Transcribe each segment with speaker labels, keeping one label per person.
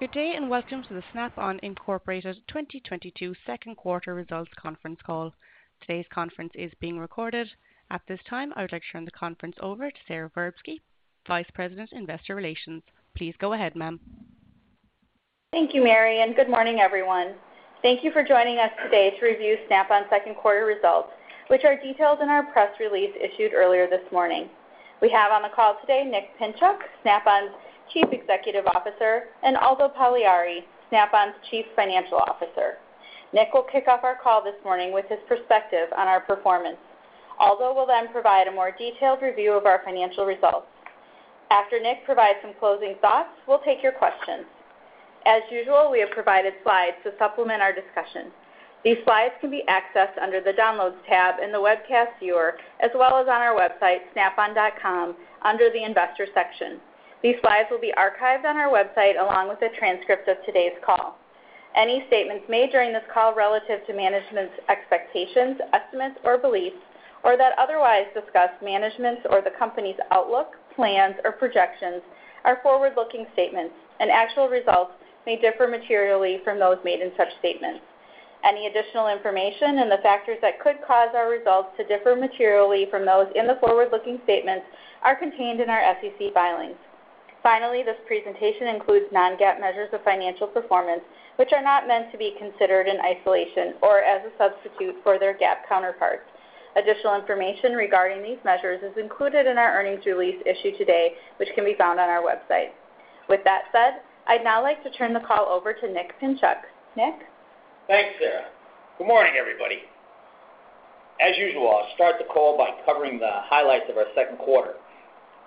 Speaker 1: Good day, and welcome to the Snap-on Incorporated 2022 second quarter results conference call. Today's conference is being recorded. At this time, I would like to turn the conference over to Sara Verbsky, Vice President, Investor Relations. Please go ahead, ma'am.
Speaker 2: Thank you, Mary, and good morning, everyone. Thank you for joining us today to review Snap-on second quarter results, which are detailed in our press release issued earlier this morning. We have on the call today Nick Pinchuk, Snap-on's Chief Executive Officer, and Aldo Pagliari, Snap-on's Chief Financial Officer. Nick will kick off our call this morning with his perspective on our performance. Aldo will then provide a more detailed review of our financial results. After Nick provides some closing thoughts, we'll take your questions. As usual, we have provided slides to supplement our discussion. These slides can be accessed under the Downloads tab in the webcast viewer, as well as on our website, snapon.com, under the Investors section. These slides will be archived on our website along with a transcript of today's call. Any statements made during this call relative to management's expectations, estimates, or beliefs or that otherwise discuss management's or the company's outlook, plans, or projections are forward-looking statements and actual results may differ materially from those made in such statements. Any additional information and the factors that could cause our results to differ materially from those in the forward-looking statements are contained in our SEC filings. Finally, this presentation includes non-GAAP measures of financial performance, which are not meant to be considered in isolation or as a substitute for their GAAP counterparts. Additional information regarding these measures is included in our earnings release issued today, which can be found on our website. With that said, I'd now like to turn the call over to Nick Pinchuk. Nick?
Speaker 3: Thanks, Sara. Good morning, everybody. As usual, I'll start the call by covering the highlights of our second quarter.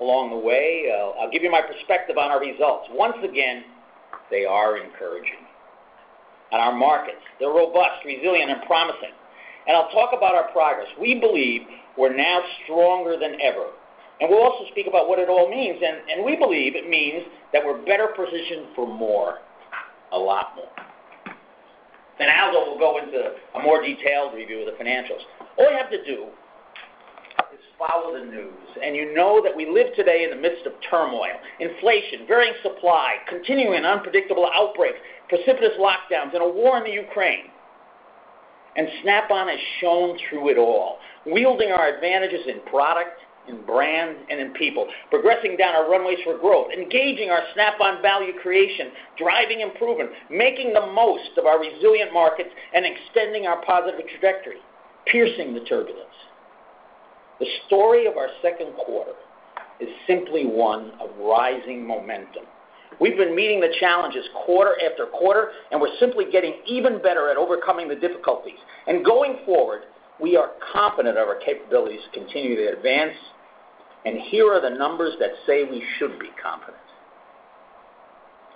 Speaker 3: Along the way, I'll give you my perspective on our results. Once again, they are encouraging. Our markets, they're robust, resilient, and promising. I'll talk about our progress. We believe we're now stronger than ever. We'll also speak about what it all means, and we believe it means that we're better positioned for more, a lot more. Aldo will go into a more detailed review of the financials. All you have to do is follow the news and you know that we live today in the midst of turmoil, inflation, varying supply, continuing unpredictable outbreaks, precipitous lockdowns, and a war in the Ukraine. Snap-on has shown through it all, wielding our advantages in product, in brand, and in people, progressing down our runways for growth, engaging our Snap-on Value Creation, driving improvement, making the most of our resilient markets, and extending our positive trajectory, piercing the turbulence. The story of our second quarter is simply one of rising momentum. We've been meeting the challenges quarter after quarter, and we're simply getting even better at overcoming the difficulties. Going forward, we are confident of our capabilities to continue to advance. Here are the numbers that say we should be confident.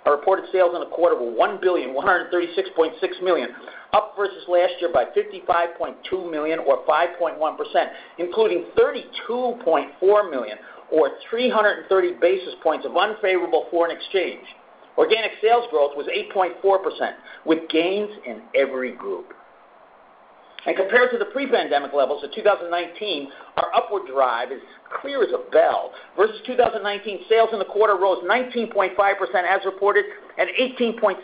Speaker 3: Our reported sales in the quarter were $1,136.6 million, up versus last year by $55.2 million or 5.1%, including $32.4 million or 330 basis points of unfavorable foreign exchange. Organic sales growth was 8.4%, with gains in every group. Compared to the pre-pandemic levels of 2019, our upward drive is clear as a bell. Versus 2019, sales in the quarter rose 19.5% as reported and 18.7%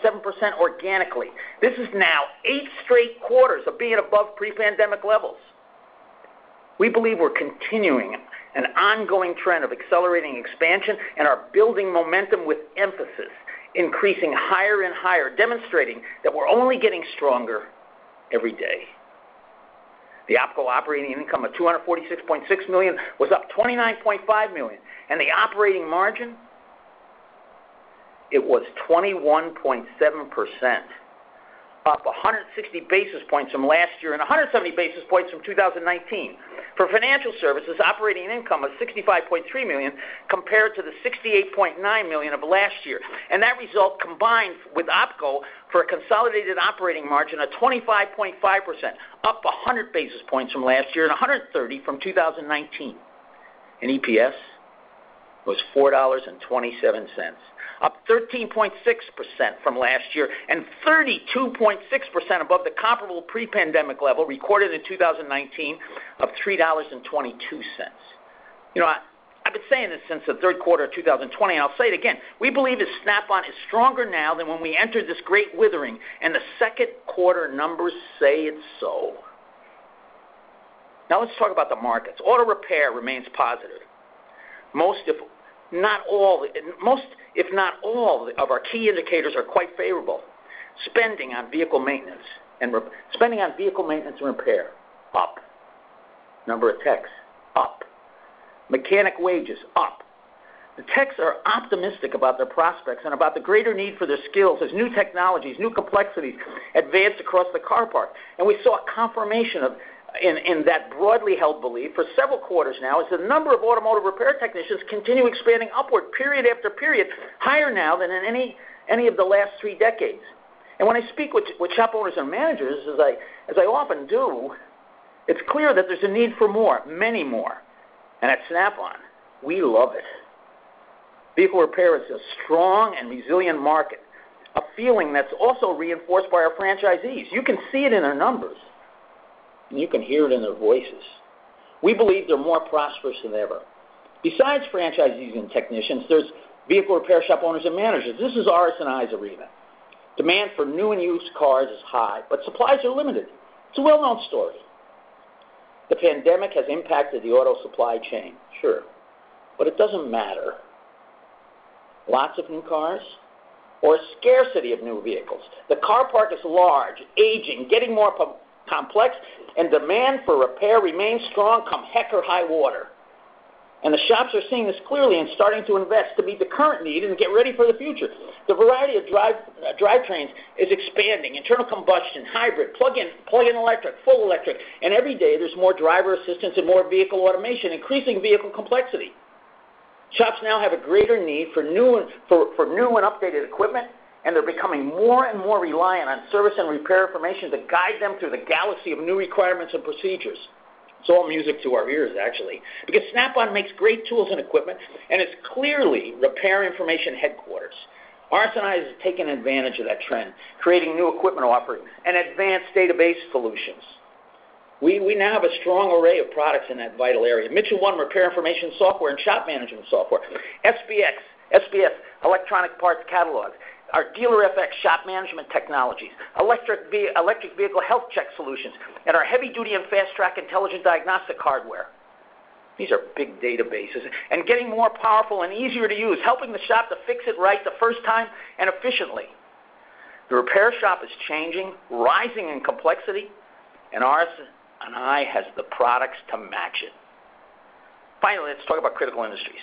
Speaker 3: organically. This is now eight straight quarters of being above pre-pandemic levels. We believe we're continuing an ongoing trend of accelerating expansion and are building momentum with emphasis, increasing higher and higher, demonstrating that we're only getting stronger every day. The OpCo operating income of $246.6 million was up $29.5 million, and the operating margin, it was 21.7%, up 160 basis points from last year and 170 basis points from 2019. For financial services, operating income of $65.3 million compared to the $68.9 million of last year. That result combined with OpCo for a consolidated operating margin of 25.5%, up 100 basis points from last year and 130 from 2019. EPS was $4.27, up 13.6% from last year and 32.6% above the comparable pre-pandemic level recorded in 2019 of $3.22. You know, I've been saying this since the third quarter of 2020, and I'll say it again. We believe that Snap-on is stronger now than when we entered this great withering, and the second quarter numbers say it's so. Now let's talk about the markets. Auto repair remains positive. Most, if not all. Most, if not all of our key indicators are quite favorable. Spending on vehicle maintenance and repair, up. Number of techs, up. Mechanic wages, up. The techs are optimistic about their prospects and about the greater need for their skills as new technologies, new complexities advance across the car park. We saw a confirmation within that broadly held belief for several quarters now as the number of automotive repair technicians continue expanding upward, period after period, higher now than in any of the last three decades. When I speak with shop owners and managers, as I often do, it's clear that there's a need for more, many more. At Snap-on, we love it. Vehicle repair is a strong and resilient market, a feeling that's also reinforced by our franchisees. You can see it in our numbers. You can hear it in their voices. We believe they're more prosperous than ever. Besides franchisees and technicians, there's vehicle repair shop owners and managers. This is RS&I's arena. Demand for new and used cars is high, but supplies are limited. It's a well-known story. The pandemic has impacted the auto supply chain, sure, but it doesn't matter. Lots of new cars or scarcity of new vehicles, the car park is large, aging, getting more complex, and demand for repair remains strong, come heck or high water. The shops are seeing this clearly and starting to invest to meet the current need and get ready for the future. The variety of drive, drivetrains is expanding. Internal combustion, hybrid, plug-in, plug-in electric, full electric, and every day there's more driver assistance and more vehicle automation, increasing vehicle complexity. Shops now have a greater need for new and updated equipment, and they're becoming more and more reliant on service and repair information to guide them through the galaxy of new requirements and procedures. It's all music to our ears, actually, because Snap-on makes great tools and equipment, and it's clearly repair information headquarters. RS&I has taken advantage of that trend, creating new equipment offerings and advanced database solutions. We now have a strong array of products in that vital area. Mitchell 1 repair information software and shop management software. SBS electronic parts catalog. Our Dealer-FX shop management technologies. Electric vehicle health check solutions, and our heavy-duty and fast-track intelligent diagnostic hardware. These are big databases and getting more powerful and easier to use, helping the shop to fix it right the first time and efficiently. The repair shop is changing, rising in complexity, and RS&I has the products to match it. Finally, let's talk about critical industries.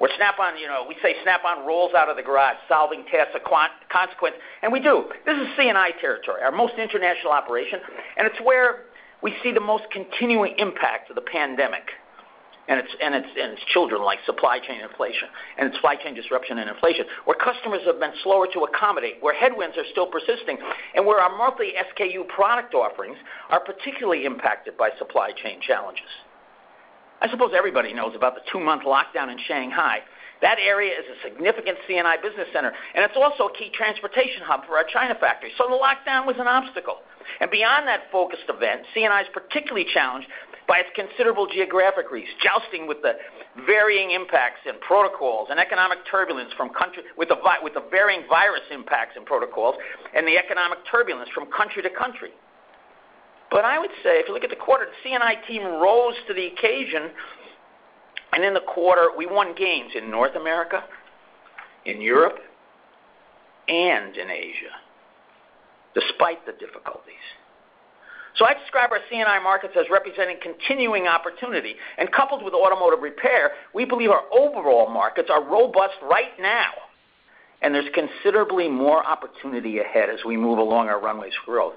Speaker 3: With Snap-on, you know, we say Snap-on rolls out of the garage solving tasks of consequence, and we do. This is C&I territory, our most international operation, and it's where we see the most continuing impact of the pandemic and its children, like supply chain inflation and supply chain disruption and inflation, where customers have been slower to accommodate, where headwinds are still persisting, and where our monthly SKU product offerings are particularly impacted by supply chain challenges. I suppose everybody knows about the two-month lockdown in Shanghai. That area is a significant C&I business center, and it's also a key transportation hub for our China factory, so the lockdown was an obstacle. Beyond that focused event, C&I is particularly challenged by its considerable geographic reach, jousting with the varying virus impacts and protocols and the economic turbulence from country to country. I would say, if you look at the quarter, the C&I team rose to the occasion, and in the quarter, we won gains in North America, in Europe, and in Asia, despite the difficulties. I describe our C&I markets as representing continuing opportunity, and coupled with automotive repair, we believe our overall markets are robust right now, and there's considerably more opportunity ahead as we move along our runways for growth.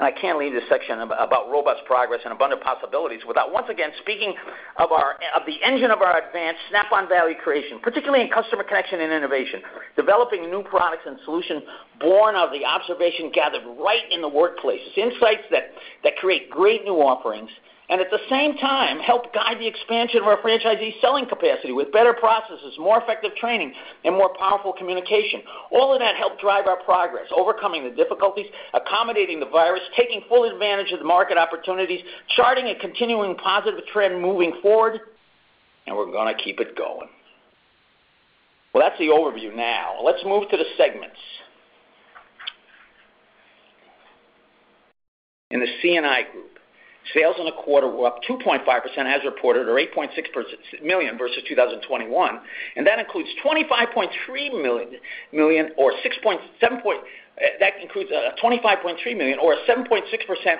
Speaker 3: I can't leave this section about robust progress and abundant possibilities without once again speaking of our, of the engine of our advanced Snap-on Value Creation, particularly in customer connection and innovation. Developing new products and solutions born of the observation gathered right in the workplaces, insights that create great new offerings, and at the same time, help guide the expansion of our franchisee selling capacity with better processes, more effective training, and more powerful communication. All of that helped drive our progress, overcoming the difficulties, accommodating the virus, taking full advantage of the market opportunities, charting a continuing positive trend moving forward, and we're gonna keep it going. Well, that's the overview now. Let's move to the segments. In the C&I Group, sales in the quarter were up 2.5% as reported or $8.6 million versus 2021, and that includes $25.3 million or a 7.6%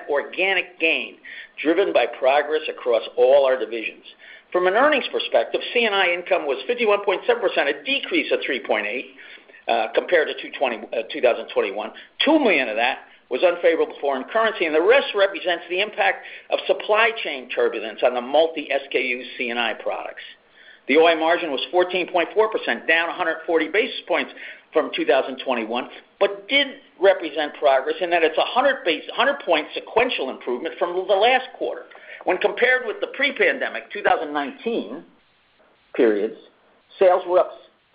Speaker 3: organic gain driven by progress across all our divisions. From an earnings perspective, C&I income was 51.7%, a decrease of 3.8%, compared to 2021. $2 million of that was unfavorable foreign currency, and the rest represents the impact of supply chain turbulence on the multi-SKU C&I products. The OI margin was 14.4%, down 140 basis points from 2021, but did represent progress in that it's a 100-point sequential improvement from the last quarter. When compared with the pre-pandemic 2019 periods, sales were up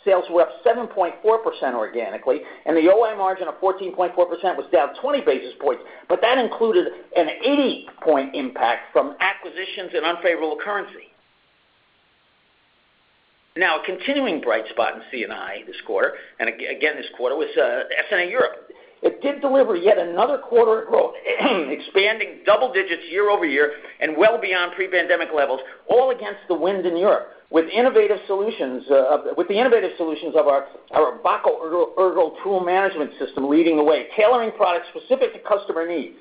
Speaker 3: 7.4% organically, and the OI margin of 14.4% was down 20 basis points, but that included an 80-point impact from acquisitions and unfavorable currency. Now, a continuing bright spot in C&I this quarter, and again this quarter, was SNA Europe. It did deliver yet another quarter of growth, expanding double digits year over year and well beyond pre-pandemic levels, all against the winds in Europe. With the innovative solutions of our Bahco ERGO tool management system leading the way, tailoring products specific to customer needs.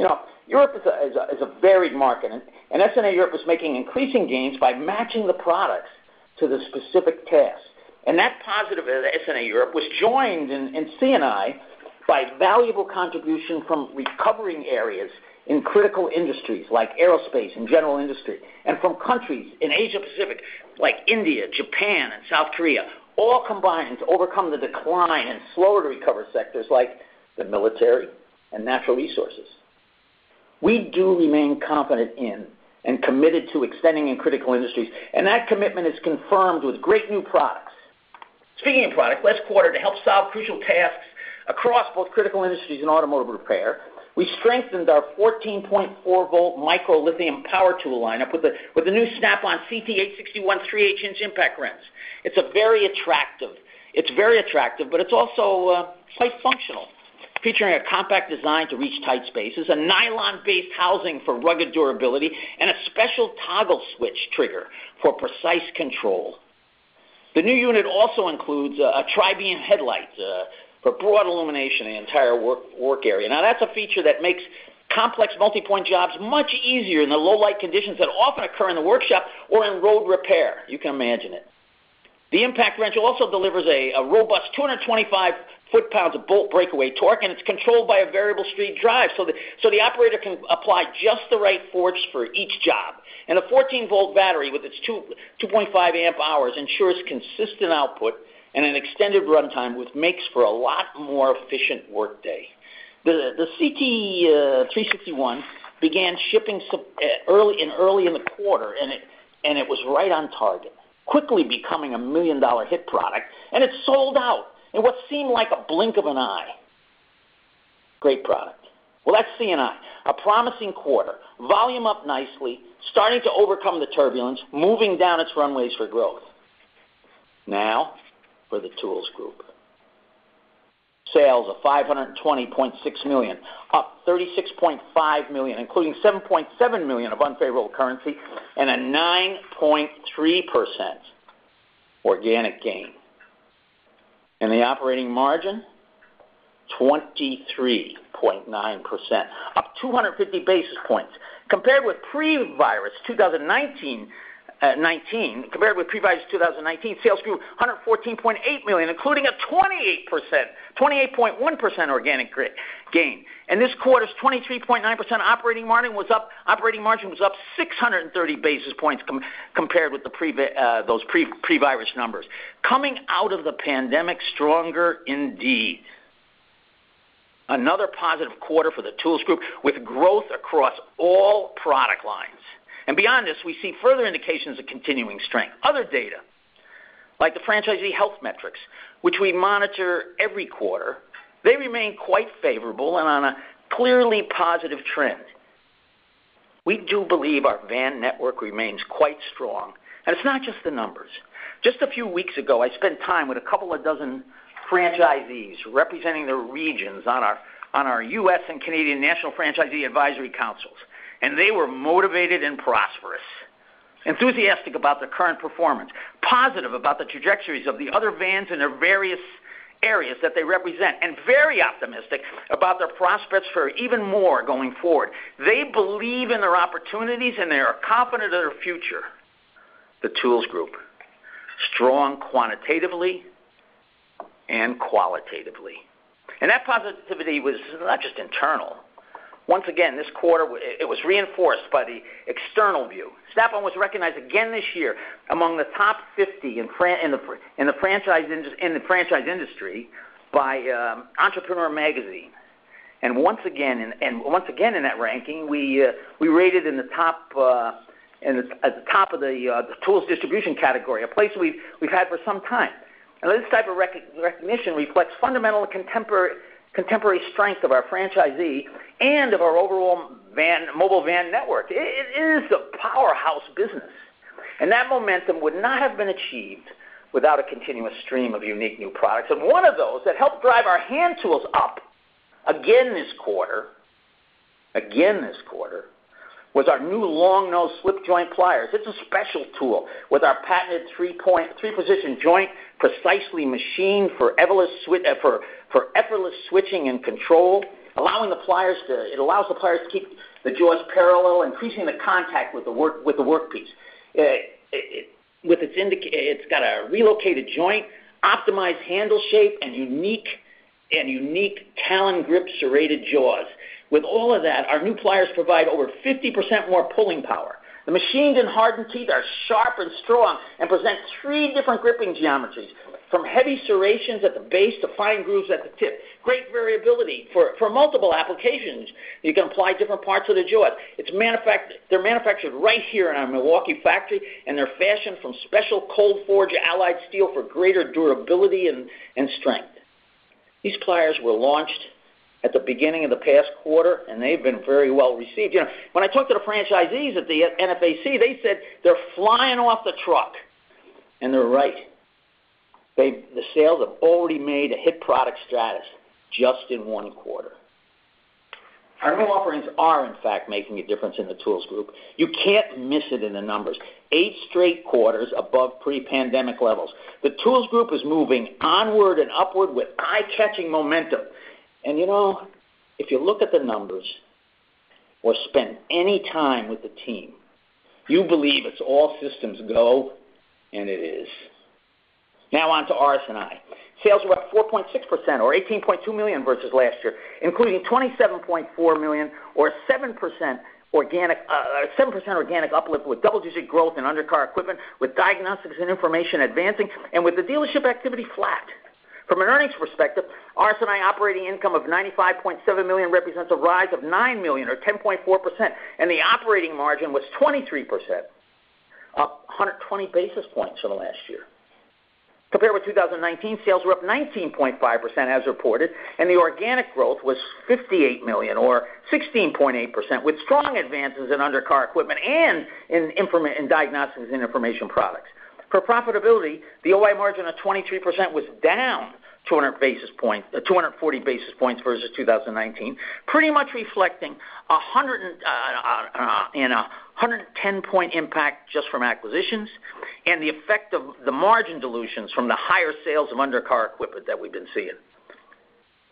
Speaker 3: You know, Europe is a varied market, and SNA Europe was making increasing gains by matching the products to the specific task. That positive at SNA Europe was joined in C&I by valuable contribution from recovering areas in critical industries like aerospace and general industry and from countries in Asia Pacific like India, Japan, and South Korea, all combined to overcome the decline in slower to recover sectors like the military and natural resources. We do remain confident in and committed to extending in critical industries, and that commitment is confirmed with great new products. Speaking of product, last quarter to help solve crucial tasks across both critical industries and automotive repair, we strengthened our 14.4-volt MicroLithium power tool lineup with the new Snap-on CT861 3/8-inch impact wrench. It's very attractive, but it's also quite functional, featuring a compact design to reach tight spaces, a nylon-based housing for rugged durability, and a special toggle switch trigger for precise control. The new unit also includes a tri-beam headlight for broad illumination in the entire work area. Now, that's a feature that makes complex multi-point jobs much easier in the low light conditions that often occur in the workshop or in road repair. You can imagine it. The impact wrench also delivers a robust 225 foot-pounds of bolt breakaway torque, and it's controlled by a variable speed drive, so the operator can apply just the right force for each job. A 14-volt battery with its 2.5 amp hours ensures consistent output and an extended runtime, which makes for a lot more efficient workday. The CT861 began shipping early in the quarter, and it was right on target, quickly becoming a million-dollar hit product, and it sold out in what seemed like a blink of an eye. Great product. Well, that's C&I. A promising quarter, volume up nicely, starting to overcome the turbulence, moving down its runways for growth. Now for the Tools Group. Sales of $520.6 million, up $36.5 million, including $7.7 million of unfavorable currency and a 9.3% organic gain. The operating margin, 23.9%, up 250 basis points. Compared with pre-virus 2019, sales grew $114.8 million, including a 28%, 28.1% organic gain. This quarter's 23.9% operating margin was up 630 basis points compared with those pre-virus numbers. Coming out of the pandemic stronger indeed. Another positive quarter for the Tools Group, with growth across all product lines. Beyond this, we see further indications of continuing strength. Other data, like the franchisee health metrics, which we monitor every quarter, they remain quite favorable and on a clearly positive trend. We do believe our van network remains quite strong, and it's not just the numbers. Just a few weeks ago, I spent time with a couple of dozen franchisees representing their regions on our U.S. and Canadian National Franchisee Advisory Councils, and they were motivated and prosperous, enthusiastic about their current performance, positive about the trajectories of the other vans in their various areas that they represent, and very optimistic about their prospects for even more going forward. They believe in their opportunities, and they are confident of their future. The Tools Group, strong quantitatively and qualitatively. That positivity was not just internal. Once again, this quarter, it was reinforced by the external view. Snap-on was recognized again this year among the top 50 in the franchise industry by Entrepreneur magazine. Once again in that ranking, we rated at the top of the tools distribution category, a place we've had for some time. Now, this type of recognition reflects fundamental contemporary strength of our franchisee and of our overall mobile van network. It is a powerhouse business, and that momentum would not have been achieved without a continuous stream of unique new products. One of those that helped drive our hand tools up again this quarter was our new long-nose slip joint pliers. It's a special tool with our patented three-point, three-position joint, precisely machined for effortless switching and control, allowing the pliers to keep the jaws parallel, increasing the contact with the work piece. It's got a relocated joint, optimized handle shape, and unique talon grip serrated jaws. With all of that, our new pliers provide over 50% more pulling power. The machined and hardened teeth are sharp and strong and present three different gripping geometries, from heavy serrations at the base to fine grooves at the tip. Great variability for multiple applications. You can apply different parts of the jaw. They're manufactured right here in our Milwaukee factory, and they're fashioned from special cold-forged alloy steel for greater durability and strength. These pliers were launched at the beginning of the past quarter, and they've been very well received. You know, when I talked to the franchisees at the NFAC, they said they're flying off the truck, and they're right. The sales have already made a hit product status just in one quarter. Our new offerings are, in fact, making a difference in the Tools Group. You can't miss it in the numbers. Eight straight quarters above pre-pandemic levels. The Tools Group is moving onward and upward with eye-catching momentum. You know, if you look at the numbers or spend any time with the team, you believe it's all systems go, and it is. Now on to RS&I. Sales were up 4.6% or $18.2 million versus last year, including $27.4 million or 7% organic uplift with double-digit growth in undercar equipment, with diagnostics and information advancing, and with the dealership activity flat. From an earnings perspective, RS&I operating income of $95.7 million represents a rise of $9 million or 10.4%, and the operating margin was 23%, up 120 basis points from last year. Compared with 2019, sales were up 19.5% as reported, and the organic growth was $58 million or 16.8%, with strong advances in undercar equipment and in diagnostics and information products. For profitability, the OI margin of 23% was down 200 basis points, 240 basis points versus 2019, pretty much reflecting a 110-point impact just from acquisitions and the effect of the margin dilutions from the higher sales of undercar equipment that we've been seeing.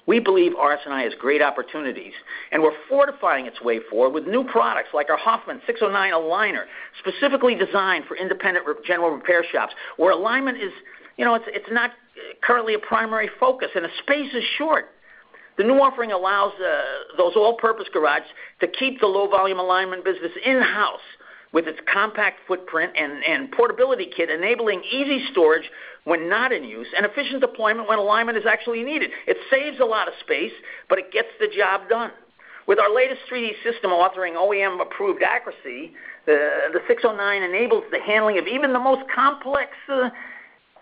Speaker 3: We believe RS&I has great opportunities, and we're fortifying its way forward with new products like our Hofmann 609 Aligner, specifically designed for independent general repair shops, where alignment is not currently a primary focus, and the space is short. The new offering allows those all-purpose garages to keep the low-volume alignment business in-house with its compact footprint and portability kit, enabling easy storage when not in use and efficient deployment when alignment is actually needed. It saves a lot of space, but it gets the job done. With our latest 3D system offering OEM-approved accuracy, the 609 enables the handling of even the most complex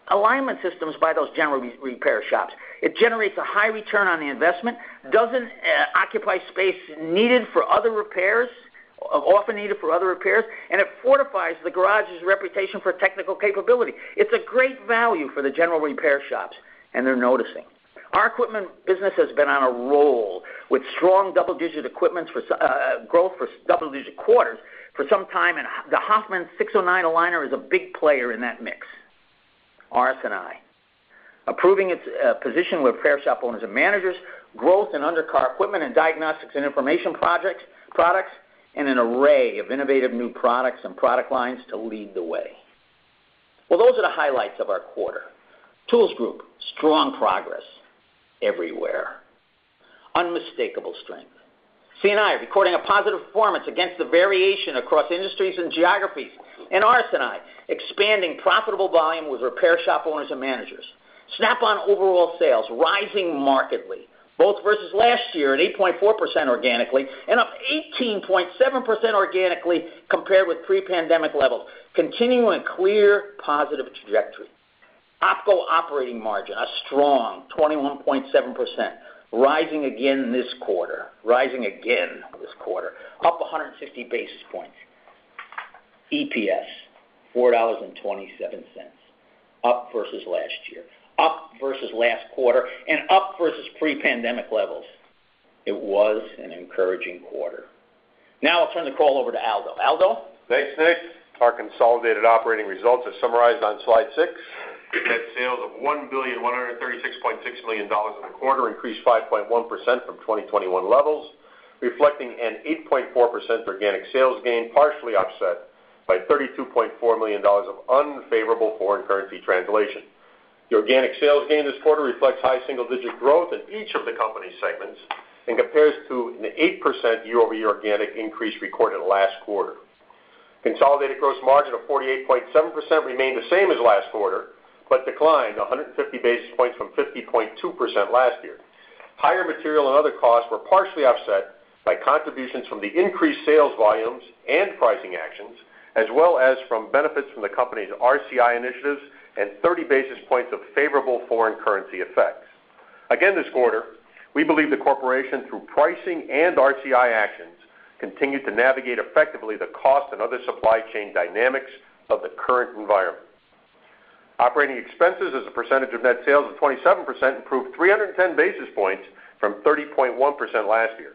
Speaker 3: alignment systems by those general repair shops. It generates a high return on the investment, doesn't occupy space needed for other repairs, often needed for other repairs, and it fortifies the garage's reputation for technical capability. It's a great value for the general repair shops, and they're noticing. Our equipment business has been on a roll, with strong double-digit equipment sales growth for double-digit quarters for some time, and the Hofmann 609 Aligner is a big player in that mix. RS&I, approving its position with repair shop owners and managers, growth in undercar equipment and diagnostics and information products, and an array of innovative new products and product lines to lead the way. Well, those are the highlights of our quarter. Tools group, strong progress everywhere. Unmistakable strength. C&I recording a positive performance against the variation across industries and geographies. RS&I expanding profitable volume with repair shop owners and managers. Snap-on overall sales rising markedly, both versus last year at 8.4% organically and up 18.7% organically compared with pre-pandemic levels, continuing a clear positive trajectory. OpCo operating margin, a strong 21.7%, rising again this quarter, up 160 basis points. EPS, $4.27, up versus last year, up versus last quarter, and up versus pre-pandemic levels. It was an encouraging quarter. Now I'll turn the call over to Aldo. Aldo?
Speaker 4: Thanks, Nick. Our consolidated operating results are summarized on slide six. Net sales of $1,136.6 million in the quarter increased 5.1% from 2021 levels, reflecting an 8.4% organic sales gain, partially offset by $32.4 million of unfavorable foreign currency translation. The organic sales gain this quarter reflects high single-digit growth in each of the company's segments and compares to an 8% year-over-year organic increase recorded last quarter. Consolidated gross margin of 48.7% remained the same as last quarter, but declined 150 basis points from 50.2% last year. Higher material and other costs were partially offset by contributions from the increased sales volumes and pricing actions, as well as from benefits from the company's RCI initiatives and 30 basis points of favorable foreign currency effects. Again, this quarter, we believe the corporation, through pricing and RCI actions, continued to navigate effectively the cost and other supply chain dynamics of the current environment. Operating expenses as a percentage of net sales of 27% improved 310 basis points from 30.1% last year.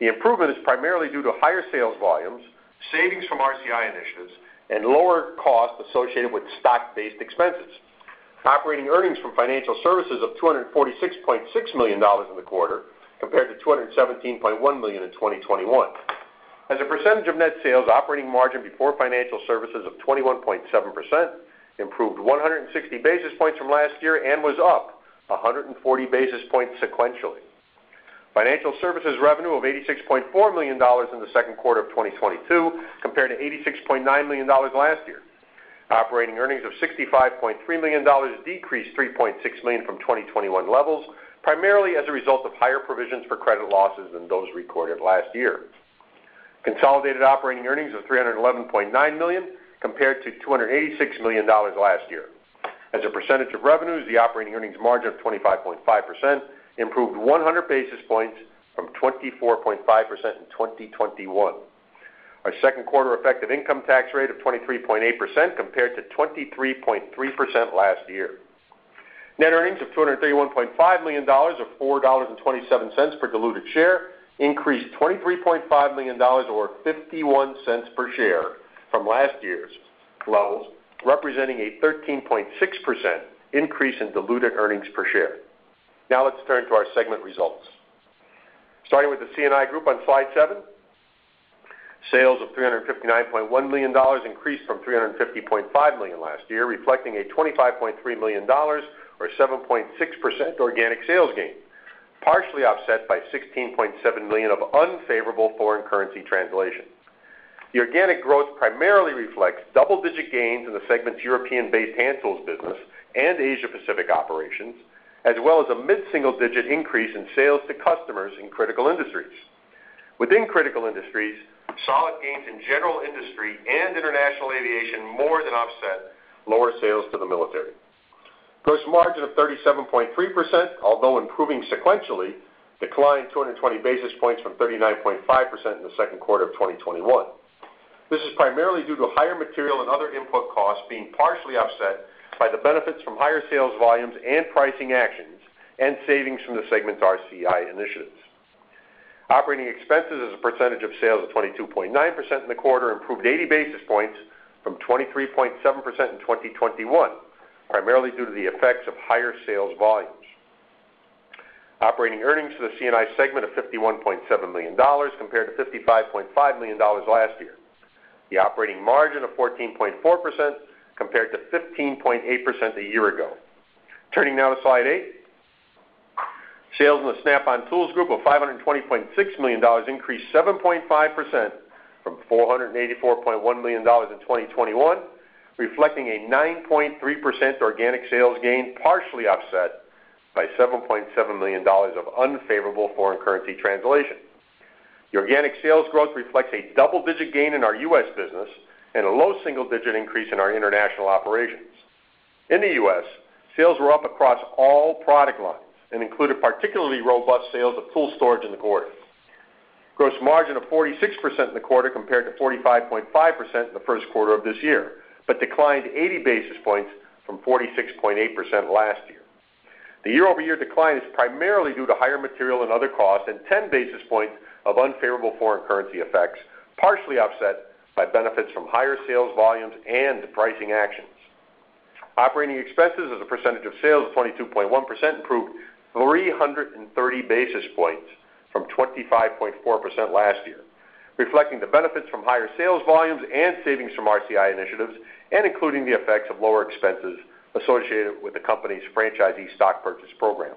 Speaker 4: The improvement is primarily due to higher sales volumes, savings from RCI initiatives, and lower costs associated with stock-based expenses. Operating earnings from financial services of $246.6 million in the quarter compared to $217.1 million in 2021. As a percentage of net sales, operating margin before financial services of 21.7% improved 160 basis points from last year and was up 140 basis points sequentially. Financial services revenue of $86.4 million in the second quarter of 2022 compared to $86.9 million last year. Operating earnings of $65.3 million decreased $3.6 million from 2021 levels, primarily as a result of higher provisions for credit losses than those recorded last year. Consolidated operating earnings of $311.9 million compared to $286 million last year. As a percentage of revenues, the operating earnings margin of 25.5% improved 100 basis points from 24.5% in 2021. Our second quarter effective income tax rate of 23.8% compared to 23.3% last year. Net earnings of $231.5 million or $4.27 per diluted share increased $23.5 million or $0.51 per share from last year's levels, representing a 13.6% increase in diluted earnings per share. Now let's turn to our segment results. Starting with the C&I Group on slide seven, sales of $359.1 million increased from $350.5 million last year, reflecting a $25.3 million or 7.6% organic sales gain, partially offset by $16.7 million of unfavorable foreign currency translation. The organic growth primarily reflects double-digit gains in the segment's European-based hand tools business and Asia Pacific operations, as well as a mid-single-digit increase in sales to customers in critical industries. Within critical industries, solid gains in general industry and international aviation more than offset lower sales to the military. Gross margin of 37.3%, although improving sequentially, declined 220 basis points from 39.5% in the second quarter of 2021. This is primarily due to higher material and other input costs being partially offset by the benefits from higher sales volumes and pricing actions and savings from the segment's RCI initiatives. Operating expenses as a percentage of sales of 22.9% in the quarter improved 80 basis points from 23.7% in 2021, primarily due to the effects of higher sales volumes. Operating earnings for the C&I segment of $51.7 million compared to $55.5 million last year. The operating margin of 14.4% compared to 15.8% a year ago. Turning now to slide eight, sales in the Snap-on Tools Group of $520.6 million increased 7.5% from $484.1 million in 2021, reflecting a 9.3% organic sales gain, partially offset by $7.7 million of unfavorable foreign currency translation. The organic sales growth reflects a double-digit gain in our U.S. business and a low single-digit increase in our international operations. In the U.S., sales were up across all product lines and included particularly robust sales of Tool Storage in the quarter. Gross margin of 46% in the quarter compared to 45.5% in the first quarter of this year, but declined 80 basis points from 46.8% last year. The year-over-year decline is primarily due to higher material and other costs and 10 basis points of unfavorable foreign currency effects, partially offset by benefits from higher sales volumes and the pricing actions. Operating expenses as a percentage of sales of 22.1% improved 330 basis points from 25.4% last year, reflecting the benefits from higher sales volumes and savings from RCI initiatives, and including the effects of lower expenses associated with the company's franchisee stock purchase program.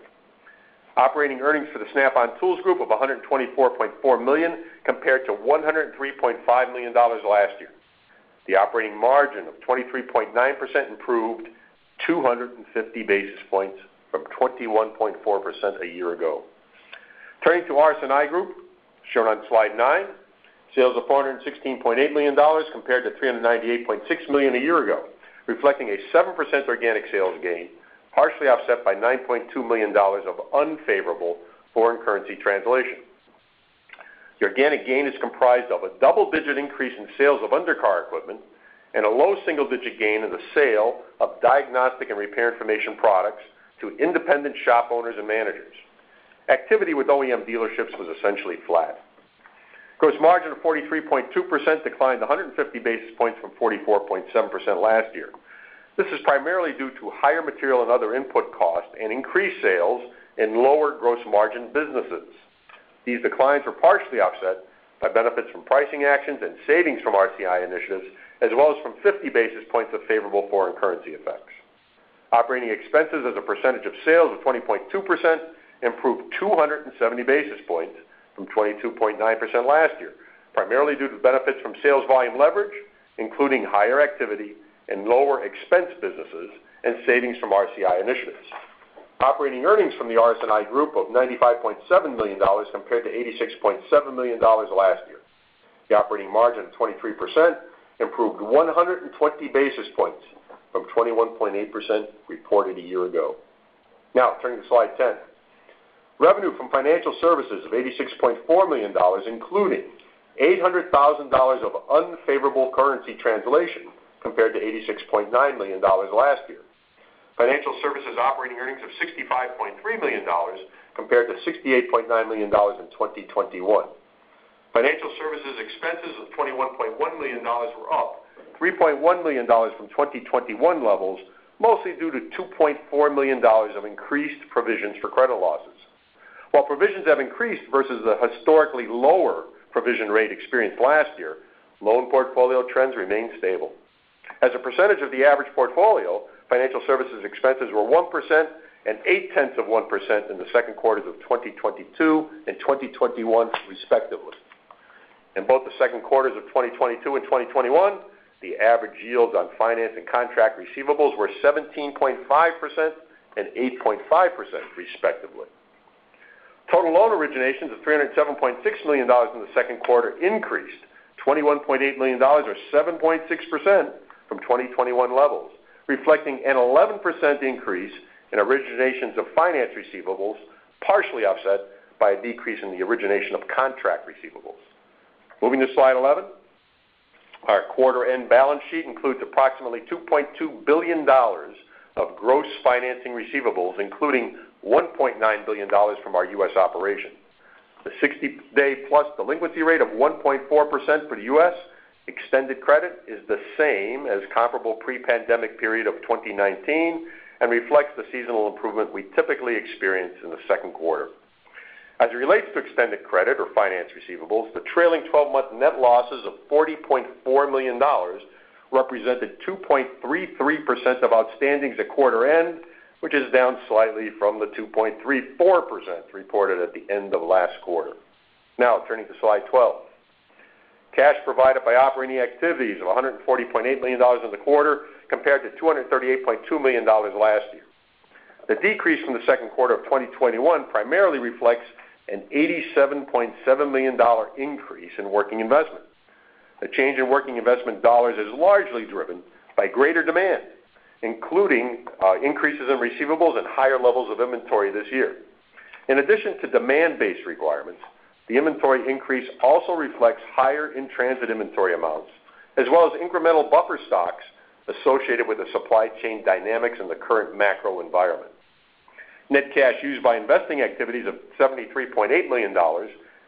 Speaker 4: Operating earnings for the Snap-on Tools Group of $124.4 million compared to $103.5 million last year. The operating margin of 23.9% improved 250 basis points from 21.4% a year ago. Turning to RS&I Group, shown on nine. Sales of $416.8 million compared to $398.6 million a year ago, reflecting a 7% organic sales gain, partially offset by $9.2 million of unfavorable foreign currency translation. The organic gain is comprised of a double-digit increase in sales of undercar equipment and a low single-digit gain in the sale of diagnostic and repair information products to independent shop owners and managers. Activity with OEM dealerships was essentially flat. Gross margin of 43.2% declined 150 basis points from 44.7% last year. This is primarily due to higher material and other input costs and increased sales in lower gross margin businesses. These declines were partially offset by benefits from pricing actions and savings from RCI initiatives, as well as from 50 basis points of favorable foreign currency effects. Operating expenses as a percentage of sales of 20.2% improved 270 basis points from 22.9% last year, primarily due to benefits from sales volume leverage, including higher activity in lower expense businesses and savings from RCI initiatives. Operating earnings from the RS&I group of $95.7 million compared to $86.7 million last year. The operating margin of 23% improved 120 basis points from 21.8% reported a year ago. Now turning to slide 10. Revenue from financial services of $86.4 million, including $800,000 of unfavorable currency translation compared to $86.9 million last year. Financial services operating earnings of $65.3 million compared to $68.9 million in 2021. Financial services expenses of $21.1 million were up $3.1 million from 2021 levels, mostly due to $2.4 million of increased provisions for credit losses. While provisions have increased versus the historically lower provision rate experienced last year, loan portfolio trends remain stable. As a percentage of the average portfolio, financial services expenses were 1.8% in the second quarters of 2022 and 2021, respectively. In both the second quarters of 2022 and 2021, the average yield on finance and contract receivables were 17.5% and 8.5%, respectively. Total loan originations of $307.6 million in the second quarter increased $21.8 million or 7.6% from 2021 levels, reflecting an 11% increase in originations of finance receivables, partially offset by a decrease in the origination of contract receivables. Moving to slide 11. Our quarter-end balance sheet includes approximately $2.2 billion of gross financing receivables, including $1.9 billion from our U.S. operations. The 60-day-plus delinquency rate of 1.4% for the U.S. extended credit is the same as comparable pre-pandemic period of 2019 and reflects the seasonal improvement we typically experience in the second quarter. As it relates to extended credit or finance receivables, the trailing 12-month net losses of $40.4 million represented 2.33% of outstandings at quarter end, which is down slightly from the 2.34% reported at the end of last quarter. Now turning to slide 12. Cash provided by operating activities of $140.8 million in the quarter compared to $238.2 million last year. The decrease from the second quarter of 2021 primarily reflects an $87.7 million increase in working investments. The change in working investment dollars is largely driven by greater demand, including increases in receivables and higher levels of inventory this year. In addition to demand-based requirements, the inventory increase also reflects higher in-transit inventory amounts, as well as incremental buffer stocks associated with the supply chain dynamics in the current macro environment. Net cash used by investing activities of $73.8 million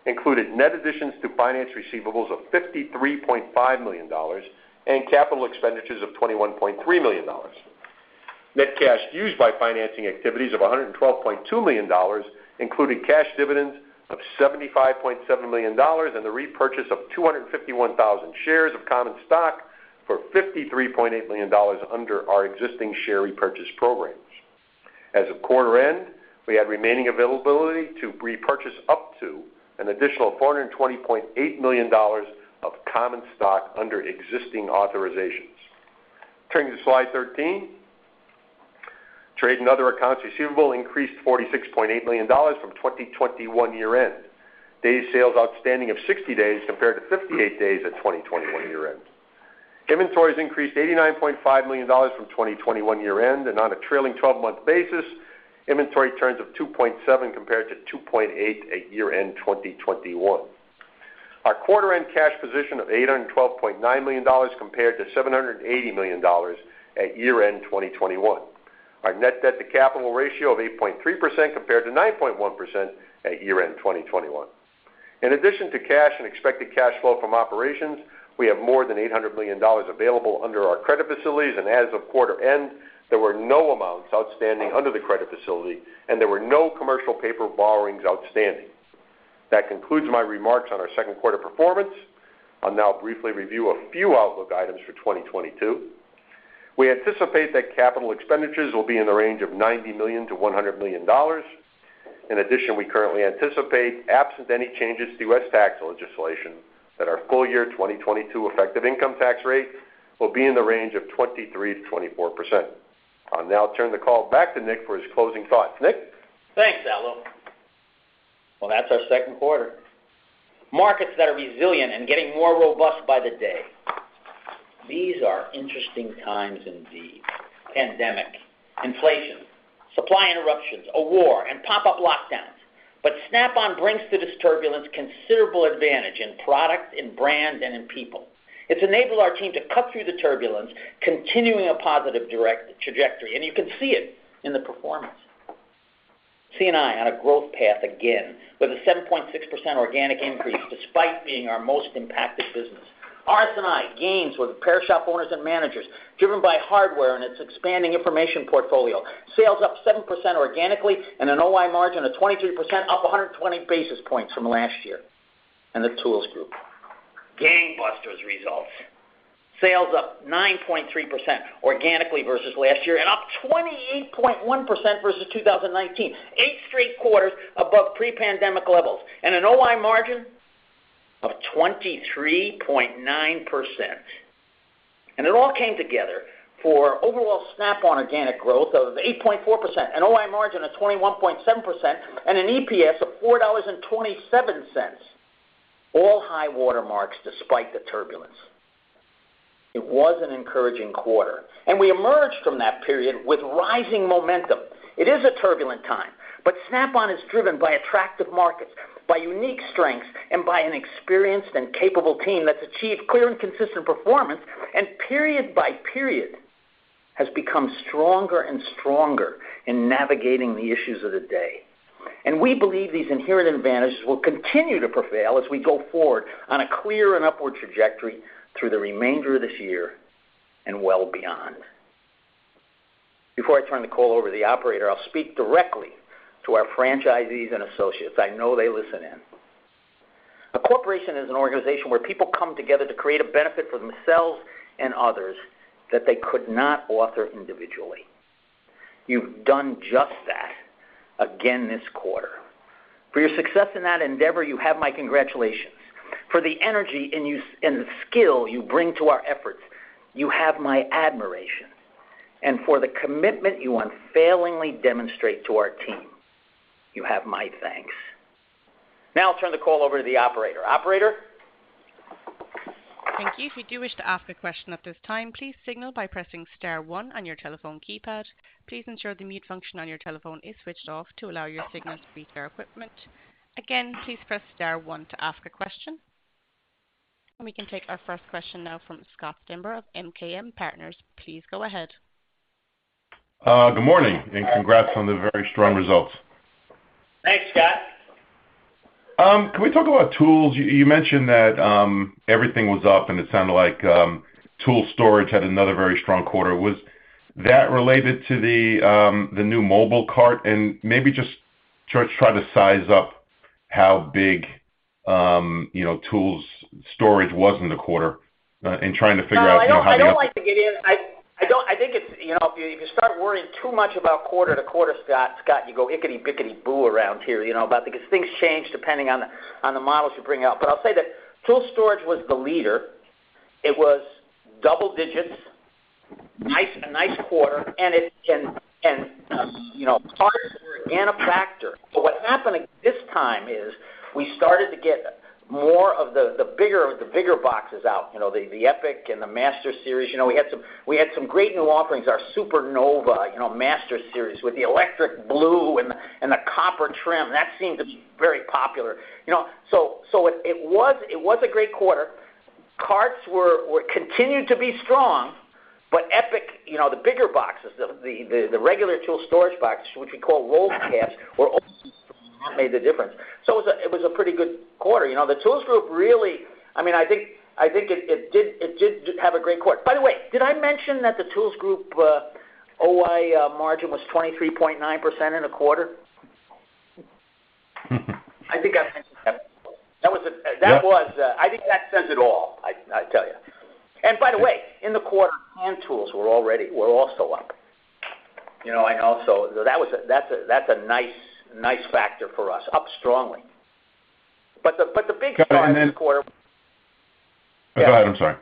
Speaker 4: included net additions to finance receivables of $53.5 million and capital expenditures of $21.3 million. Net cash used by financing activities of $112.2 million, including cash dividends of $75.7 million and the repurchase of 251,000 shares of common stock for $53.8 million under our existing share repurchase programs. As of quarter end, we had remaining availability to repurchase up to an additional $420.8 million of common stock under existing authorizations. Turning to slide 13. Trade and other accounts receivable increased $46.8 million from 2021 year end. Days sales outstanding of 60 days compared to 58 days at 2021 year end. Inventories increased $89.5 million from 2021 year end, and on a trailing 12-month basis, inventory turns of 2.7 compared to 2.8 at year end 2021. Our quarter end cash position of $812.9 million compared to $780 million at year end 2021. Our net debt to capital ratio of 8.3% compared to 9.1% at year end 2021. In addition to cash and expected cash flow from operations, we have more than $800 million available under our credit facilities. As of quarter end, there were no amounts outstanding under the credit facility, and there were no commercial paper borrowings outstanding. That concludes my remarks on our second quarter performance. I'll now briefly review a few outlook items for 2022. We anticipate that capital expenditures will be in the range of $90 million-$100 million. In addition, we currently anticipate, absent any changes to U.S. tax legislation, that our full-year 2022 effective income tax rate will be in the range of 23%-24%. I'll now turn the call back to Nick for his closing thoughts. Nick?
Speaker 3: Thanks, Aldo. Well, that's our second quarter. Markets that are resilient and getting more robust by the day. These are interesting times indeed. Pandemic, inflation, supply interruptions, a war, and pop-up lockdowns. Snap-on brings to this turbulence considerable advantage in product, in brand, and in people. It's enabled our team to cut through the turbulence, continuing a positive trajectory, and you can see it in the performance. C&I on a growth path again, with a 7.6% organic increase, despite being our most impacted business. RS&I gains with repair shop owners and managers, driven by hardware and its expanding information portfolio. Sales up 7% organically and an OI margin of 23%, up 120 basis points from last year. The tools group. Gangbusters results. Sales up 9.3% organically versus last year and up 28.1% versus 2019. Eight straight quarters above pre-pandemic levels and an OI margin of 23.9%. It all came together for overall Snap-on organic growth of 8.4%, an OI margin of 21.7%, and an EPS of $4.27. All high water marks despite the turbulence. It was an encouraging quarter, and we emerged from that period with rising momentum. It is a turbulent time, but Snap-on is driven by attractive markets, by unique strengths, and by an experienced and capable team that's achieved clear and consistent performance. Period by period has become stronger and stronger in navigating the issues of the day. We believe these inherent advantages will continue to prevail as we go forward on a clear and upward trajectory through the remainder of this year and well beyond. Before I turn the call over to the operator, I'll speak directly to our franchisees and associates. I know they listen in. A corporation is an organization where people come together to create a benefit for themselves and others that they could not author individually. You've done just that again this quarter. For your success in that endeavor, you have my congratulations. For the energy and the skill you bring to our efforts, you have my admiration. For the commitment you unfailingly demonstrate to our team, you have my thanks. Now I'll turn the call over to the operator. Operator?
Speaker 1: Thank you. If you do wish to ask a question at this time, please signal by pressing star one on your telephone keypad. Please ensure the mute function on your telephone is switched off to allow your signal to reach our equipment. Again, please press star one to ask a question. We can take our first question now from Scott Stember of MKM Partners. Please go ahead.
Speaker 5: Good morning, and congrats on the very strong results.
Speaker 3: Thanks, Scott.
Speaker 5: Can we talk about tools? You mentioned that everything was up, and it sounded like Tool Storage had another very strong quarter. Was that related to the new mobile cart? Maybe just try to size up how big Tool Storage was in the quarter in trying to figure out how you?
Speaker 3: No, I don't like to get in. I think it's, you know, if you start worrying too much about quarter to quarter, Scott, you go ickity-bickity-boo around here, you know, about. Because things change depending on the models you're bringing out. I'll say that Tool Storage was the leader. It was double digits. A nice quarter, and, you know, carts were again a factor. What happened this time is we started to get more of the bigger boxes out, you know, the EPIQ and the Masters Series. You know, we had some great new offerings, our Supernova, you know, Masters Series with the electric blue and the copper trim. That seemed to be very popular. You know, it was a great quarter. Carts continued to be strong. But EPIQ, you know, the bigger boxes, the regular tool storage boxes, which we call roll cabs, were also that made the difference. It was a pretty good quarter. You know, the tools group really. I mean, I think it did have a great quarter. By the way, did I mention that the tools group OI margin was 23.9% in a quarter? I think I mentioned that. That was a.
Speaker 5: Yeah.
Speaker 3: That was. I think that says it all, I tell you. By the way, in the quarter, hand tools were also up. You know, that was a nice factor for us. Up strongly. The big driver this quarter.
Speaker 5: Go ahead.
Speaker 3: Yeah.
Speaker 5: Go ahead. I'm sorry.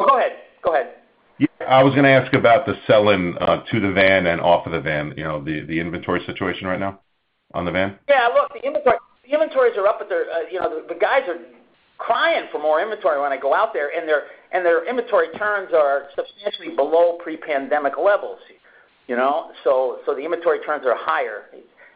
Speaker 3: No, go ahead. Go ahead.
Speaker 5: Yeah. I was gonna ask about the sell-in to the van and off of the van, you know, the inventory situation right now on the van?
Speaker 3: Yeah. Look, the inventories are up, but they're, you know, the guys are crying for more inventory when I go out there. Their inventory turns are substantially below pre-pandemic levels, you know. The inventory turns are higher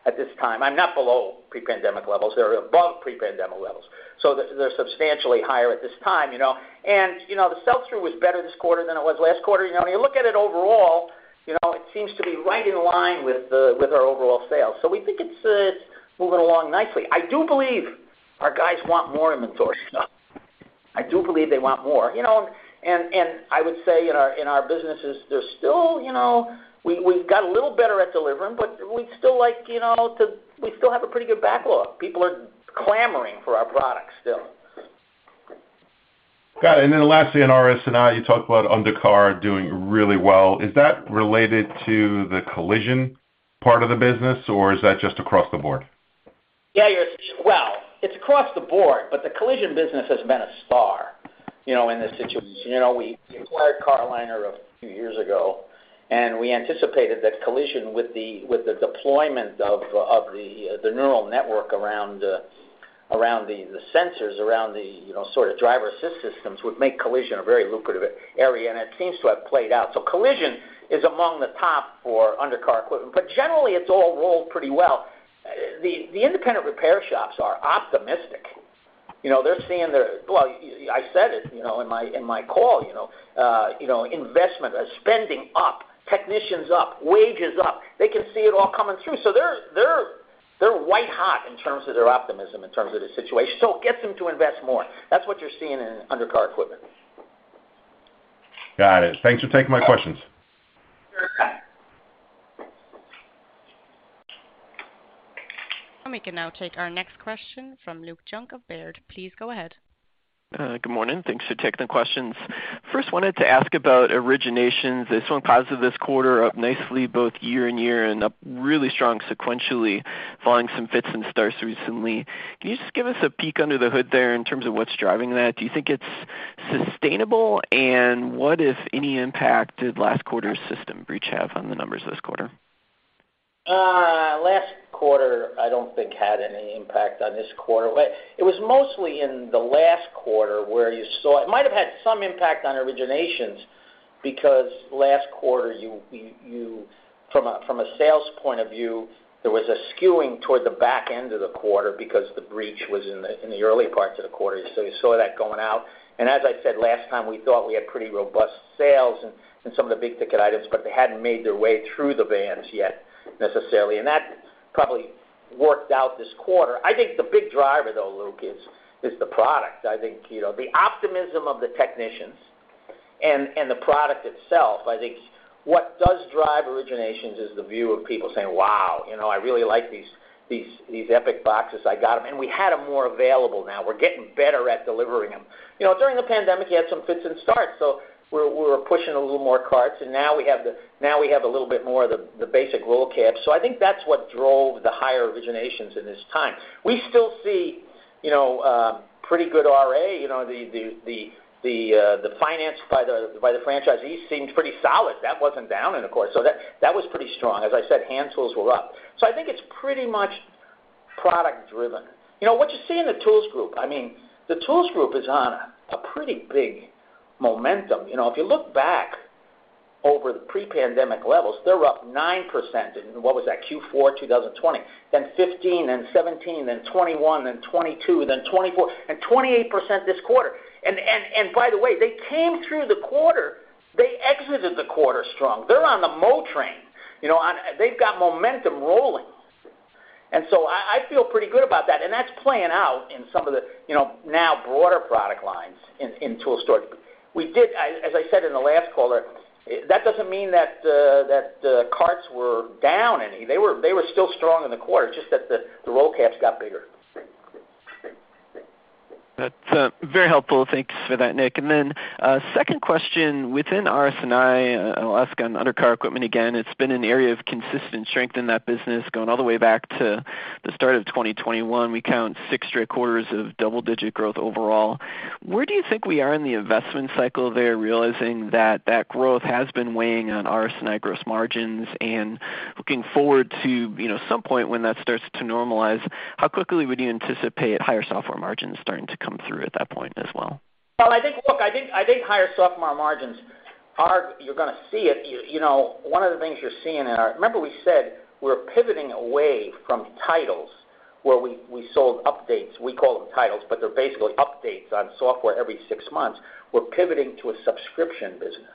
Speaker 3: at this time. I'm not below pre-pandemic levels. They're above pre-pandemic levels. They're substantially higher at this time, you know. You know, the sell-through was better this quarter than it was last quarter. You know, when you look at it overall, you know, it seems to be right in line with our overall sales. We think it's moving along nicely. I do believe our guys want more inventory, Scott. I do believe they want more. You know, I would say in our businesses, there's still, you know. We've got a little better at delivering, but we'd still like, you know, to. We still have a pretty good backlog. People are clamoring for our products still.
Speaker 5: Got it. Lastly on RS&I, you talked about undercar doing really well. Is that related to the collision part of the business, or is that just across the board?
Speaker 3: Yeah, well, it's across the board, but the collision business has been a star, you know, in this situation. You know, we acquired Car-O-Liner a few years ago, and we anticipated that collision with the deployment of the neural network around the sensors around the, you know, sort of driver assist systems, would make collision a very lucrative area, and it seems to have played out. Collision is among the top for undercar equipment. Generally, it's all rolled pretty well. The independent repair shops are optimistic. You know, they're seeing the. Well, I said it, you know, in my call, you know, investment spending up, technicians up, wages up. They can see it all coming through. They're white hot in terms of their optimism, in terms of the situation. It gets them to invest more. That's what you're seeing in undercar equipment.
Speaker 5: Got it. Thanks for taking my questions.
Speaker 3: Sure.
Speaker 1: We can now take our next question from Luke Junk of Baird. Please go ahead.
Speaker 6: Good morning. Thanks for taking the questions. First, wanted to ask about originations. I saw positives this quarter up nicely both year-over-year and up really strong sequentially, following some fits and starts recently. Can you just give us a peek under the hood there in terms of what's driving that? Do you think it's sustainable? What, if any, impact did last quarter's system breach have on the numbers this quarter?
Speaker 3: Last quarter I don't think had any impact on this quarter. It was mostly in the last quarter where you saw. It might have had some impact on originations because last quarter you from a sales point of view, there was a skewing toward the back end of the quarter because the breach was in the early parts of the quarter. You saw that going out. As I said last time, we thought we had pretty robust sales in some of the big-ticket items, but they hadn't made their way through the vans yet necessarily. That probably worked out this quarter. I think the big driver, though, Luke, is the product. I think, you know, the optimism of the technicians and the product itself. I think what does drive originations is the view of people saying, "Wow, you know, I really like these EPIQ boxes. I got them." We had them more available now. We're getting better at delivering them. You know, during the pandemic, you had some fits and starts, so we were pushing a little more carts, and now we have a little bit more of the basic roll cab. I think that's what drove the higher originations in this time. We still see, you know, pretty good RA. You know, the finance by the franchisees seemed pretty solid. That wasn't down in the quarter. That was pretty strong. As I said, hand tools were up. I think it's pretty much product driven. You know, what you see in the tools group, I mean, the tools group is on a pretty big momentum. You know, if you look back over the pre-pandemic levels, they're up 9% in Q4 2020, then 15%, then 17%, then 21%, then 22%, then 24%, and 28% this quarter. By the way, they came through the quarter. They exited the quarter strong. They're on the mo train. You know, they've got momentum rolling. I feel pretty good about that, and that's playing out in some of the, you know, now broader product lines in tool storage. As I said in the last call, that doesn't mean that the carts were down any. They were still strong in the quarter. It's just that the roll cabs got bigger.
Speaker 6: That's very helpful. Thanks for that, Nick. Second question, within RS&I. I will ask on undercar equipment again. It's been an area of consistent strength in that business going all the way back to the start of 2021. We count six straight quarters of double-digit growth overall. Where do you think we are in the investment cycle there, realizing that that growth has been weighing on RS&I gross margins and looking forward to, you know, some point when that starts to normalize? How quickly would you anticipate higher software margins starting to come through at that point as well?
Speaker 3: I think. Look, I think higher software margins are. You're gonna see it. You know, one of the things you're seeing in our. Remember we said we're pivoting away from titles where we sold updates. We call them titles, but they're basically updates on software every six months. We're pivoting to a subscription business.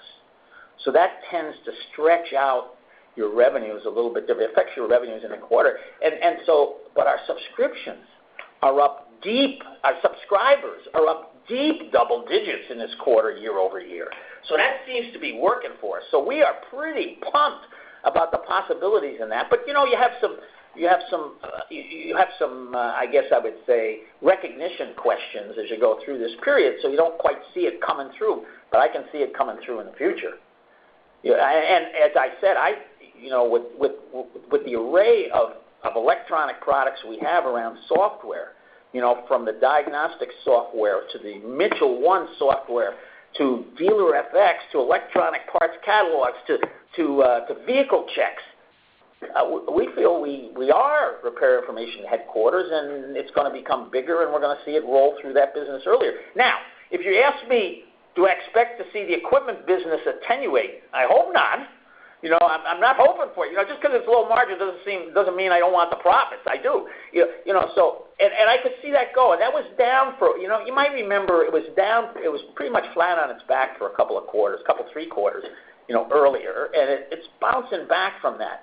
Speaker 3: That tends to stretch out your revenues a little bit. It affects your revenues in a quarter. Our subscriptions are up deep. Our subscribers are up deep double digits in this quarter, year-over-year. That seems to be working for us. We are pretty pumped about the possibilities in that. You know, you have some, I guess I would say, recognition questions as you go through this period, so you don't quite see it coming through. I can see it coming through in the future. Yeah. As I said, you know, with the array of electronic products we have around software, you know, from the diagnostic software to the Mitchell 1 software to Dealer-FX to electronic parts catalogs to vehicle checks, we feel we are repair information headquarters, and it's gonna become bigger, and we're gonna see it roll through that business earlier. Now, if you ask me, do I expect to see the equipment business attenuate? I hope not. You know, I'm not hoping for it. You know, just because it's low margin doesn't mean I don't want the profits. I do. You know, so I could see that go. That was down for. You know, you might remember it was down. It was pretty much flat on its back for a couple of quarters, couple three quarters, you know, earlier. It's bouncing back from that.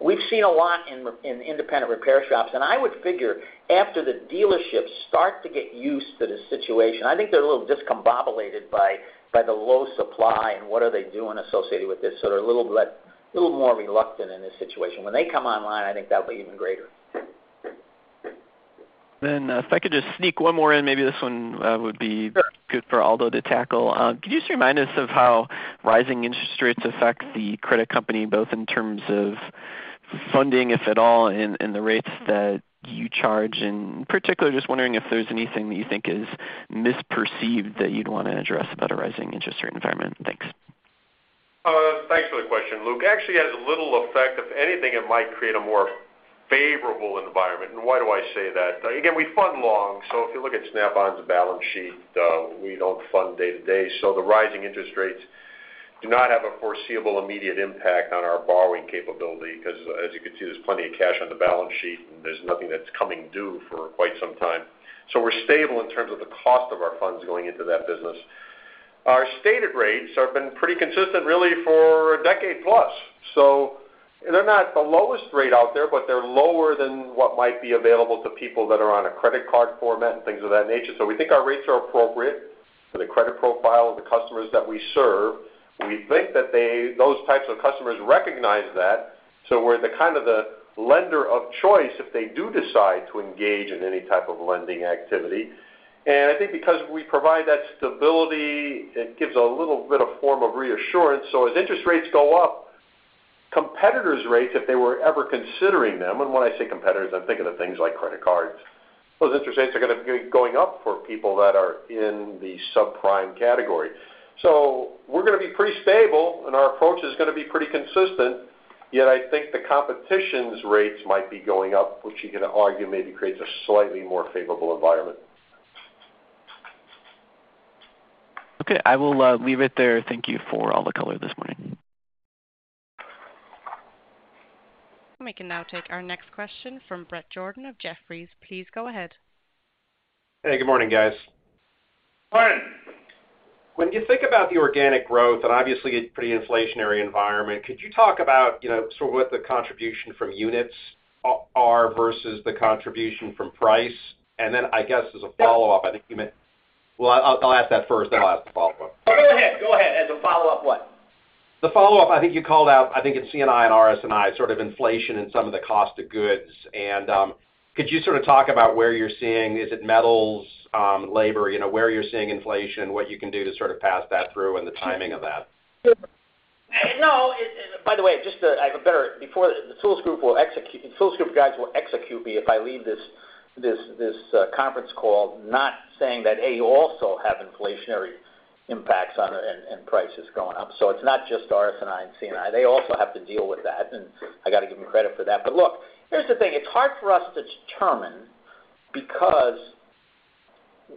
Speaker 3: We've seen a lot in independent repair shops, and I would figure after the dealerships start to get used to this situation, I think they're a little discombobulated by the low supply and what are they doing associated with this. So they're a little more reluctant in this situation. When they come online, I think that'll be even greater.
Speaker 6: If I could just sneak one more in, maybe this one.
Speaker 3: Sure.
Speaker 6: Good for Aldo to tackle. Could you just remind us of how rising interest rates affect the credit company, both in terms of funding, if at all, in the rates that you charge? Particularly, just wondering if there's anything that you think is misperceived that you'd wanna address about a rising interest rate environment? Thanks.
Speaker 4: Thanks for the question, Luke. Actually, it has little effect. If anything, it might create a more favorable environment. Why do I say that? Again, we fund long. If you look at Snap-on's balance sheet, we don't fund day to day. The rising interest rates do not have a foreseeable immediate impact on our borrowing capability because as you can see, there's plenty of cash on the balance sheet, and there's nothing that's coming due for quite some time. We're stable in terms of the cost of our funds going into that business. Our stated rates have been pretty consistent really for a decade plus. They're not the lowest rate out there, but they're lower than what might be available to people that are on a credit card format and things of that nature. We think our rates are appropriate for the credit profile of the customers that we serve. We think that they, those types of customers recognize that, so we're the kind of the lender of choice if they do decide to engage in any type of lending activity. I think because we provide that stability, it gives a little bit of form of reassurance. As interest rates go up, competitors' rates, if they were ever considering them, and when I say competitors, I'm thinking of things like credit cards, those interest rates are gonna be going up for people that are in the subprime category. We're gonna be pretty stable, and our approach is gonna be pretty consistent. Yet, I think the competition's rates might be going up, which you can argue maybe creates a slightly more favorable environment.
Speaker 6: Okay. I will leave it there. Thank you for all the color this morning.
Speaker 1: We can now take our next question from Bret Jordan of Jefferies. Please go ahead.
Speaker 7: Hey, good morning, guys.
Speaker 3: Morning.
Speaker 7: When you think about the organic growth and obviously a pretty inflationary environment, could you talk about, you know, sort of what the contribution from units are versus the contribution from price? And then I guess as a follow-up, I think you meant. Well, I'll ask that first, then I'll ask the follow-up.
Speaker 3: Go ahead. As a follow-up what?
Speaker 7: The follow-up, I think you called out, I think in C&I and RS&I, sort of inflation in some of the cost of goods. Could you sort of talk about where you're seeing, is it metals, labor, you know, where you're seeing inflation, what you can do to sort of pass that through and the timing of that?
Speaker 3: Sure. No. By the way, the tools group guys will execute me if I leave this conference call not saying that they also have inflationary impacts on it and prices going up. It's not just RS&I and C&I. They also have to deal with that, and I gotta give them credit for that. Look, here's the thing. It's hard for us to determine because,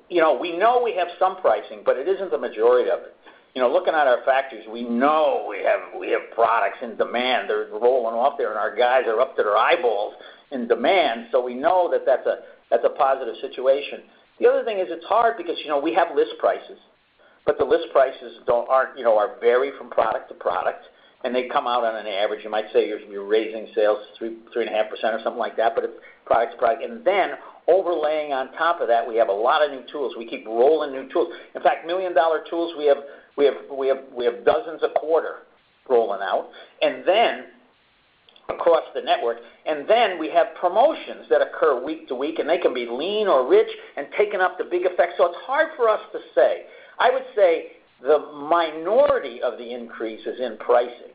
Speaker 3: you know, we know we have some pricing, but it isn't the majority of it. You know, looking at our factories, we know we have products in demand. They're rolling off there, and our guys are up to their eyeballs in demand, so we know that that's a positive situation. The other thing is it's hard because, you know, we have list prices, but the list prices aren't, you know, varied from product to product, and they come out on an average. You might say you're raising sales 3.5% or something like that, but it's product. Overlaying on top of that, we have a lot of new tools. We keep rolling new tools. In fact, million-dollar tools, we have dozens a quarter rolling out. Across the network, we have promotions that occur week to week, and they can be lean or rich, and that can have a big effect. So it's hard for us to say. I would say the minority of the increase is in pricing,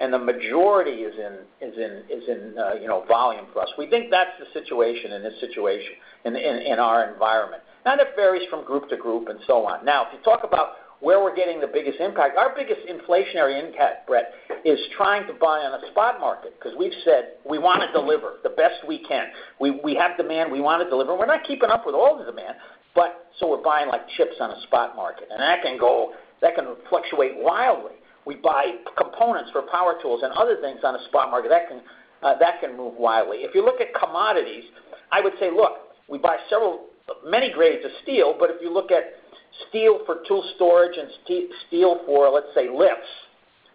Speaker 3: and the majority is in you know, volume for us. We think that's the situation in this situation in our environment, and it varies from group to group and so on. Now, if you talk about where we're getting the biggest impact, our biggest inflationary impact, Brett, is trying to buy on a spot market because we've said we wanna deliver the best we can. We have demand, we wanna deliver. We're not keeping up with all the demand, but so we're buying, like, chips on a spot market, and that can fluctuate wildly. We buy components for power tools and other things on a spot market. That can move wildly. If you look at commodities, I would say, look, we buy many grades of steel, but if you look at steel for tool storage and steel for, let's say, lifts,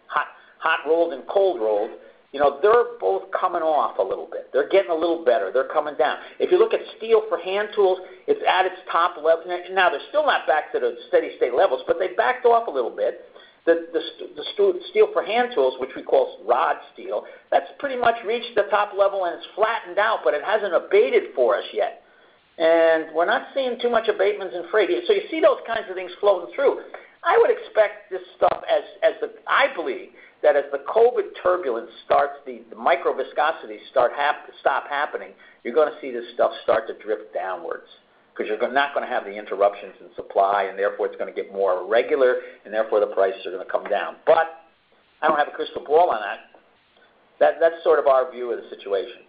Speaker 3: hot rolled and cold rolled, you know, they're both coming off a little bit. They're getting a little better. They're coming down. If you look at steel for hand tools, it's at its top level. Now, they're still not back to the steady state levels, but they backed off a little bit. The steel for hand tools, which we call rod steel, that's pretty much reached the top level and it's flattened out, but it hasn't abated for us yet. We're not seeing too much abatements in freight. So you see those kinds of things flowing through. I would expect this stuff as the. I believe that as the COVID turbulence starts, the micro disruptions stop happening, you're gonna see this stuff start to drift downwards 'cause you're not gonna have the interruptions in supply, and therefore it's gonna get more regular, and therefore the prices are gonna come down. I don't have a crystal ball on that. That's sort of our view of the situation.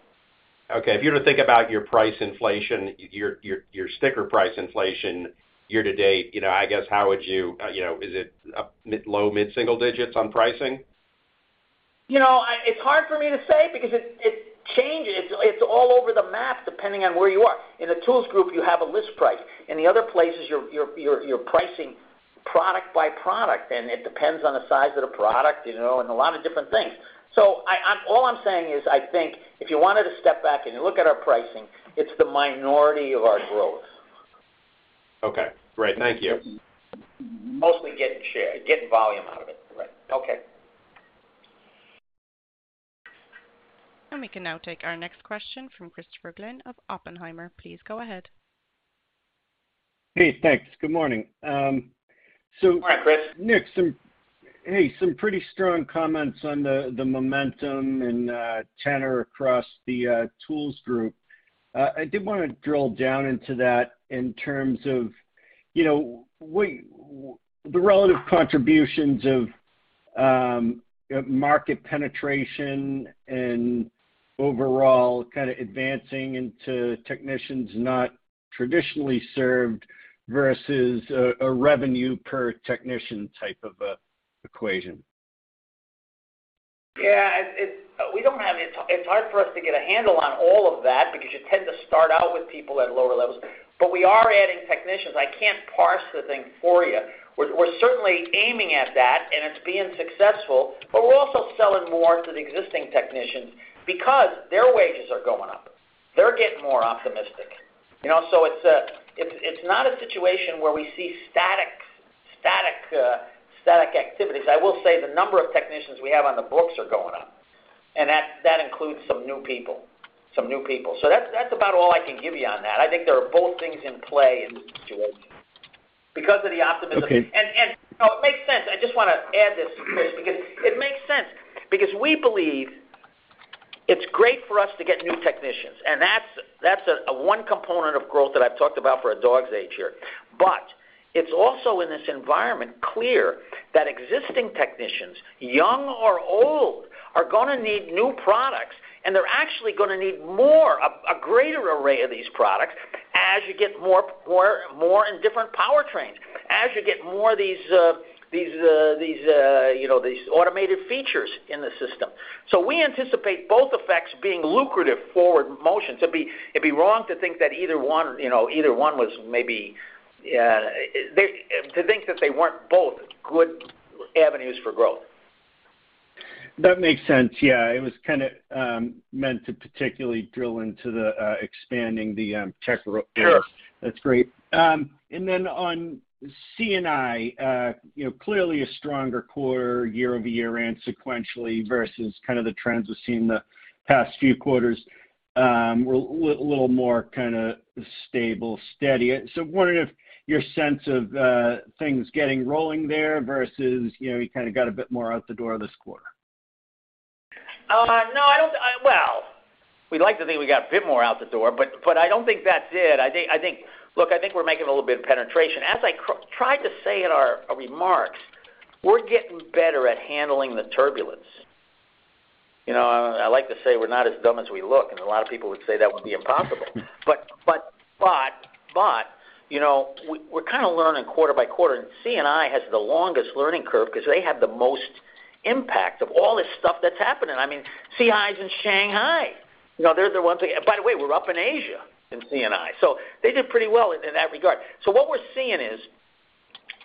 Speaker 7: Okay. If you were to think about your price inflation, your sticker price inflation year to date, you know, I guess how would you know? Is it up low mid-single digits on pricing?
Speaker 3: You know, it's hard for me to say because it changes. It's all over the map depending on where you are. In the tools group, you have a list price. In the other places, you're pricing product by product, and it depends on the size of the product, you know, and a lot of different things. All I'm saying is I think if you wanted to step back and you look at our pricing, it's the minority of our growth.
Speaker 7: Okay, great. Thank you.
Speaker 3: Mostly getting share, getting volume out of it. Right. Okay.
Speaker 1: We can now take our next question from Christopher Glynn of Oppenheimer. Please go ahead.
Speaker 8: Hey, thanks. Good morning.
Speaker 3: Hi, Chris.
Speaker 8: Nick, hey, some pretty strong comments on the momentum and tenor across the tools group. I did wanna drill down into that in terms of, you know, the relative contributions of market penetration and overall kinda advancing into technicians not traditionally served versus a revenue per technician type of equation.
Speaker 3: Yeah. We don't have it. It's hard for us to get a handle on all of that because you tend to start out with people at lower levels. We are adding technicians. I can't parse the thing for you. We're certainly aiming at that, and it's being successful, but we're also selling more to the existing technicians because their wages are going up. They're getting more optimistic. You know, it's not a situation where we see static activities. I will say the number of technicians we have on the books are going up, and that includes some new people. That's about all I can give you on that. I think there are both things in play in this situation because of the optimism.
Speaker 8: Okay.
Speaker 3: It makes sense. I just wanna add this, Chris, because it makes sense because we believe it's great for us to get new technicians, and that's one component of growth that I've talked about for a dog's age here. It's also clear in this environment that existing technicians, young or old, are gonna need new products, and they're actually gonna need more, a greater array of these products as you get more and different powertrains, as you get more of these, you know, these automated features in the system. We anticipate both effects being lucrative forward motions. It'd be wrong to think that either one, you know, either one was maybe. To think that they weren't both good avenues for growth.
Speaker 8: That makes sense. Yeah, it was kinda meant to particularly drill into the expanding the tech area.
Speaker 3: Sure.
Speaker 8: That's great. On C&I, you know, clearly a stronger quarter year-over-year and sequentially versus kind of the trends we've seen the past few quarters, were a little more kinda stable, steady. Wondering if your sense of things getting rolling there versus, you know, you kinda got a bit more out the door this quarter.
Speaker 3: No, I don't. Well, we'd like to think we got a bit more out the door, but I don't think that's it. I think we're making a little bit of penetration. As I tried to say in our remarks, we're getting better at handling the turbulence. You know, I like to say we're not as dumb as we look, and a lot of people would say that would be impossible. But you know, we're kinda learning quarter by quarter. C&I has the longest learning curve 'cause they have the most impact of all this stuff that's happening. I mean, C&I's in Shanghai. You know, they're the ones. By the way, we're up in Asia in C&I. So they did pretty well in that regard. So what we're seeing is,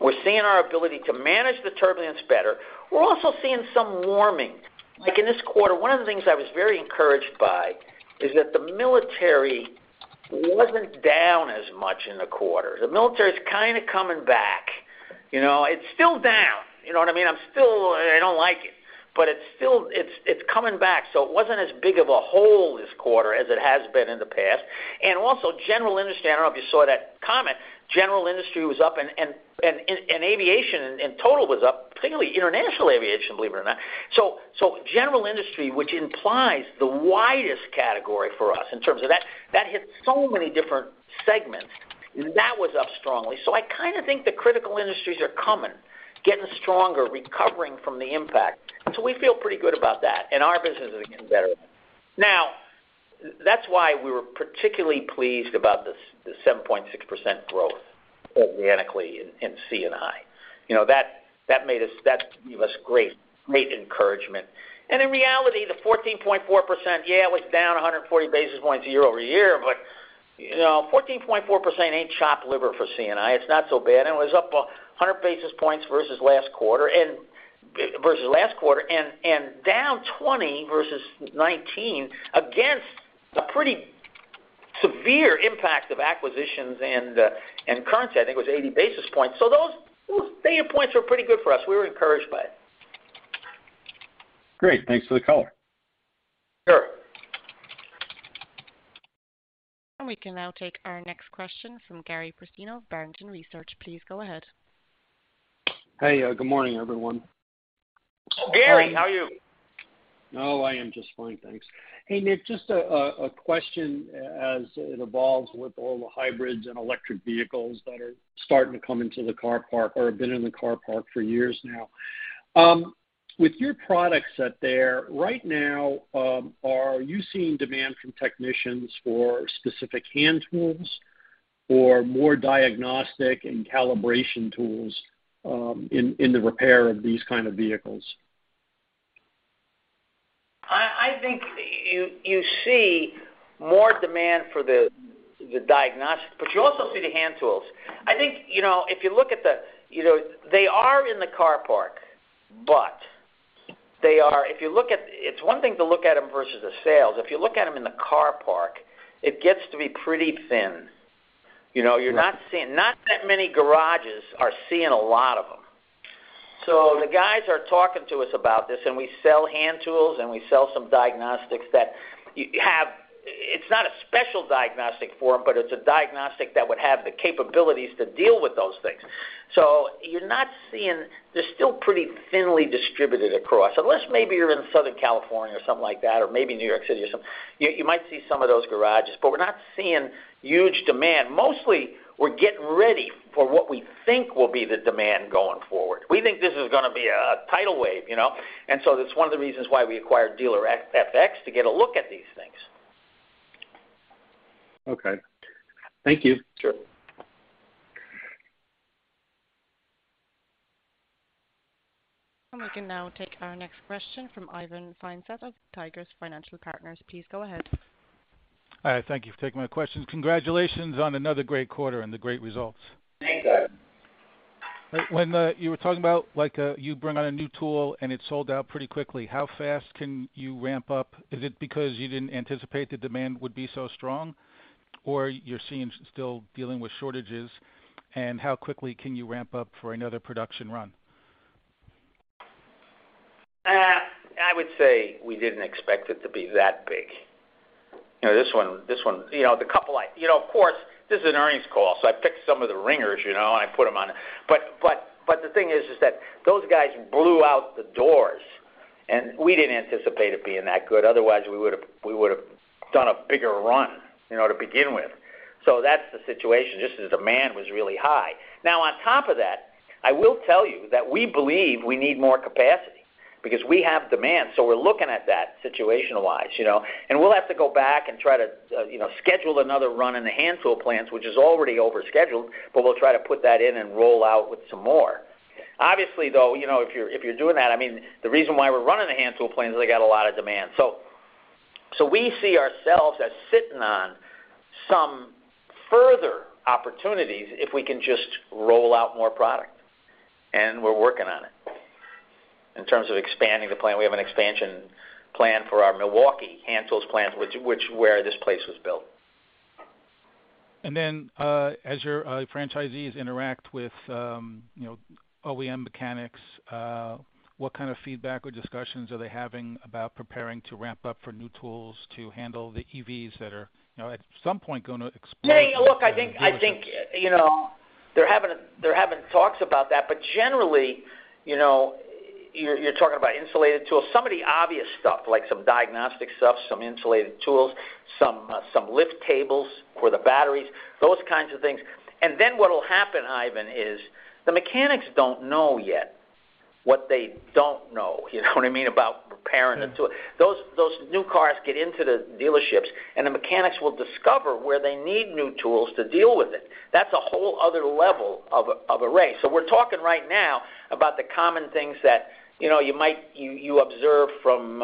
Speaker 3: we're seeing our ability to manage the turbulence better. We're also seeing some warming. Like in this quarter, one of the things I was very encouraged by is that the military wasn't down as much in the quarter. The military is kinda coming back. You know, it's still down. You know what I mean? I'm still. I don't like it, but it's coming back. It wasn't as big of a hole this quarter as it has been in the past. Also general industry, I don't know if you saw that comment, general industry was up and aviation in total was up, particularly international aviation, believe it or not. General industry, which implies the widest category for us in terms of that hit so many different segments, that was up strongly. I kinda think the critical industries are coming, getting stronger, recovering from the impact. We feel pretty good about that, and our business is getting better. Now, that's why we were particularly pleased about this, the 7.6% growth organically in C&I. You know, that gave us great encouragement. In reality, the 14.4%, yeah, it was down 140 basis points year over year, but, you know, 14.4% ain't chopped liver for C&I. It's not so bad, and it was up 100 basis points versus last quarter. Versus last quarter and down 20 versus 2019 against a pretty severe impact of acquisitions and currency, I think it was 80 basis points. Those data points were pretty good for us. We were encouraged by it.
Speaker 8: Great. Thanks for the color.
Speaker 3: Sure.
Speaker 1: We can now take our next question from Gary Prestopino of Barrington Research. Please go ahead.
Speaker 9: Hey, good morning, everyone.
Speaker 3: Gary, how are you?
Speaker 9: Oh, I am just fine, thanks. Hey, Nick, just a question as it evolves with all the hybrids and electric vehicles that are starting to come into the car park or have been in the car park for years now. With your products out there, right now, are you seeing demand from technicians for specific hand tools or more diagnostic and calibration tools, in the repair of these kind of vehicles?
Speaker 3: I think you see more demand for the diagnostic, but you also see the hand tools. I think, you know, they are in the car park. It is one thing to look at them versus the sales. If you look at them in the car park, it gets to be pretty thin. You know, not that many garages are seeing a lot of them. The guys are talking to us about this, and we sell hand tools, and we sell some diagnostics that you have. It's not a special diagnostic form, but it's a diagnostic that would have the capabilities to deal with those things. You're not seeing. They're still pretty thinly distributed across, unless maybe you're in Southern California or something like that, or maybe New York City or something. You might see some of those garages, but we're not seeing huge demand. Mostly we're getting ready for what we think will be the demand going forward. We think this is gonna be a tidal wave, you know, and so that's one of the reasons why we acquired Dealer-FX to get a look at these things.
Speaker 9: Okay. Thank you.
Speaker 3: Sure.
Speaker 1: We can now take our next question from Ivan Feinseth of Tigress Financial Partners. Please go ahead.
Speaker 10: Hi, thank you for taking my questions. Congratulations on another great quarter and the great results.
Speaker 3: Thank you.
Speaker 10: When you were talking about like, you bring on a new tool, and it's sold out pretty quickly, how fast can you ramp up? Is it because you didn't anticipate the demand would be so strong, or are you still dealing with shortages, and how quickly can you ramp up for another production run?
Speaker 3: I would say we didn't expect it to be that big. You know, this one. You know, of course, this is an earnings call, so I picked some of the ringers, you know, and I put them on. But the thing is that those guys blew out the doors, and we didn't anticipate it being that good. Otherwise, we would've done a bigger run, you know, to begin with. That's the situation, just the demand was really high. Now, on top of that, I will tell you that we believe we need more capacity because we have demand, so we're looking at that situation-wise, you know. We'll have to go back and try to, you know, schedule another run in the hand tool plants, which is already overscheduled, but we'll try to put that in and roll out with some more. Obviously, though, you know, if you're doing that, I mean, the reason why we're running the hand tool plants is they got a lot of demand. So we see ourselves as sitting on some further opportunities if we can just roll out more product, and we're working on it. In terms of expanding the plant, we have an expansion plan for our Milwaukee hand tools plant, which where this place was built.
Speaker 10: As your franchisees interact with, you know, OEM mechanics, what kind of feedback or discussions are they having about preparing to ramp up for new tools to handle the EVs that are, you know, at some point gonna explode?
Speaker 3: Hey, look, I think, you know, they're having talks about that. Generally, you know, you're talking about insulated tools. Some of the obvious stuff, like some diagnostic stuff, some insulated tools, some lift tables for the batteries, those kinds of things. What'll happen, Ivan, is the mechanics don't know yet what they don't know, you know what I mean, about preparing the tool. Those new cars get into the dealerships, and the mechanics will discover where they need new tools to deal with it. That's a whole other level of array. We're talking right now about the common things that, you know, you might observe from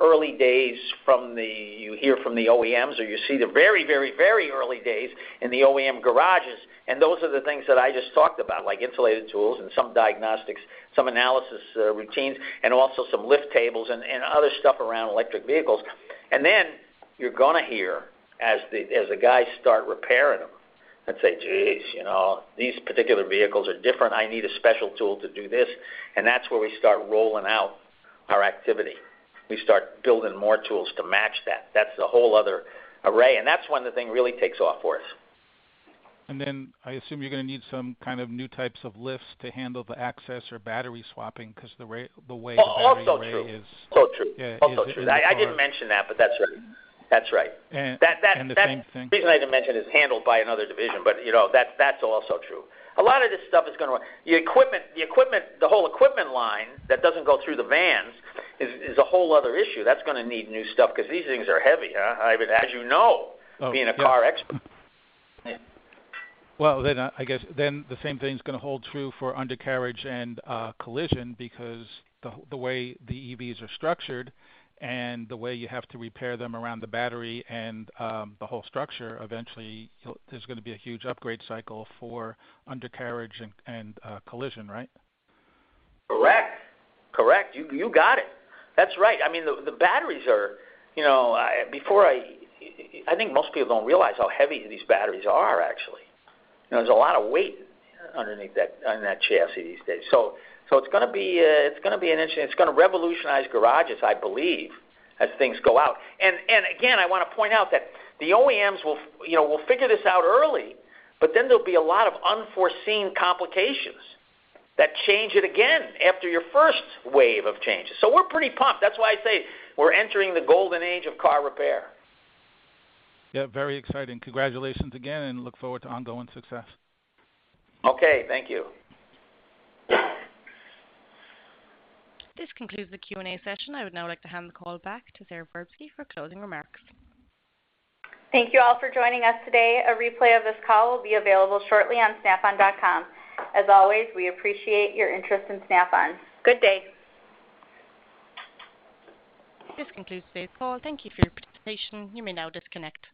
Speaker 3: early days from the- You hear from the OEMs or you see the very, very, very early days in the OEM garages, and those are the things that I just talked about, like insulated tools and some diagnostics, some analysis, routines, and also some lift tables and other stuff around electric vehicles. You're gonna hear as the guys start repairing them and say, "Geez, you know, these particular vehicles are different. I need a special tool to do this." That's where we start rolling out our activity. We start building more tools to match that. That's a whole other array, and that's when the thing really takes off for us.
Speaker 10: I assume you're gonna need some kind of new types of lifts to handle the access or battery swapping because the way the battery is?
Speaker 3: Also true. Also true.
Speaker 10: Yeah.
Speaker 3: Also true. I didn't mention that, but that's right.
Speaker 10: the same thing.
Speaker 3: The reason I didn't mention is handled by another division, but you know that that's also true. The whole equipment line that doesn't go through the vans is a whole other issue. That's gonna need new stuff because these things are heavy.
Speaker 10: Oh, yeah.
Speaker 3: being a car expert. Yeah.
Speaker 10: Well, I guess the same thing's gonna hold true for undercarriage and collision because the way the EVs are structured and the way you have to repair them around the battery and the whole structure, eventually there's gonna be a huge upgrade cycle for undercarriage and collision, right?
Speaker 3: Correct. You got it. That's right. I mean, the batteries are, you know, I think most people don't realize how heavy these batteries are actually. You know, there's a lot of weight underneath that, on that chassis these days. So it's gonna be an interesting. It's gonna revolutionize garages, I believe, as things go out. And again, I wanna point out that the OEMs will, you know, figure this out early, but then there'll be a lot of unforeseen complications that change it again after your first wave of changes. We're pretty pumped. That's why I say we're entering the golden age of car repair.
Speaker 10: Yeah, very exciting. Congratulations again, and look forward to ongoing success.
Speaker 3: Okay. Thank you.
Speaker 1: This concludes the Q&A session. I would now like to hand the call back to Sara Verbsky for closing remarks.
Speaker 2: Thank you all for joining us today. A replay of this call will be available shortly on snapon.com. As always, we appreciate your interest in Snap-on. Good day.
Speaker 1: This concludes today's call. Thank you for your participation. You may now disconnect.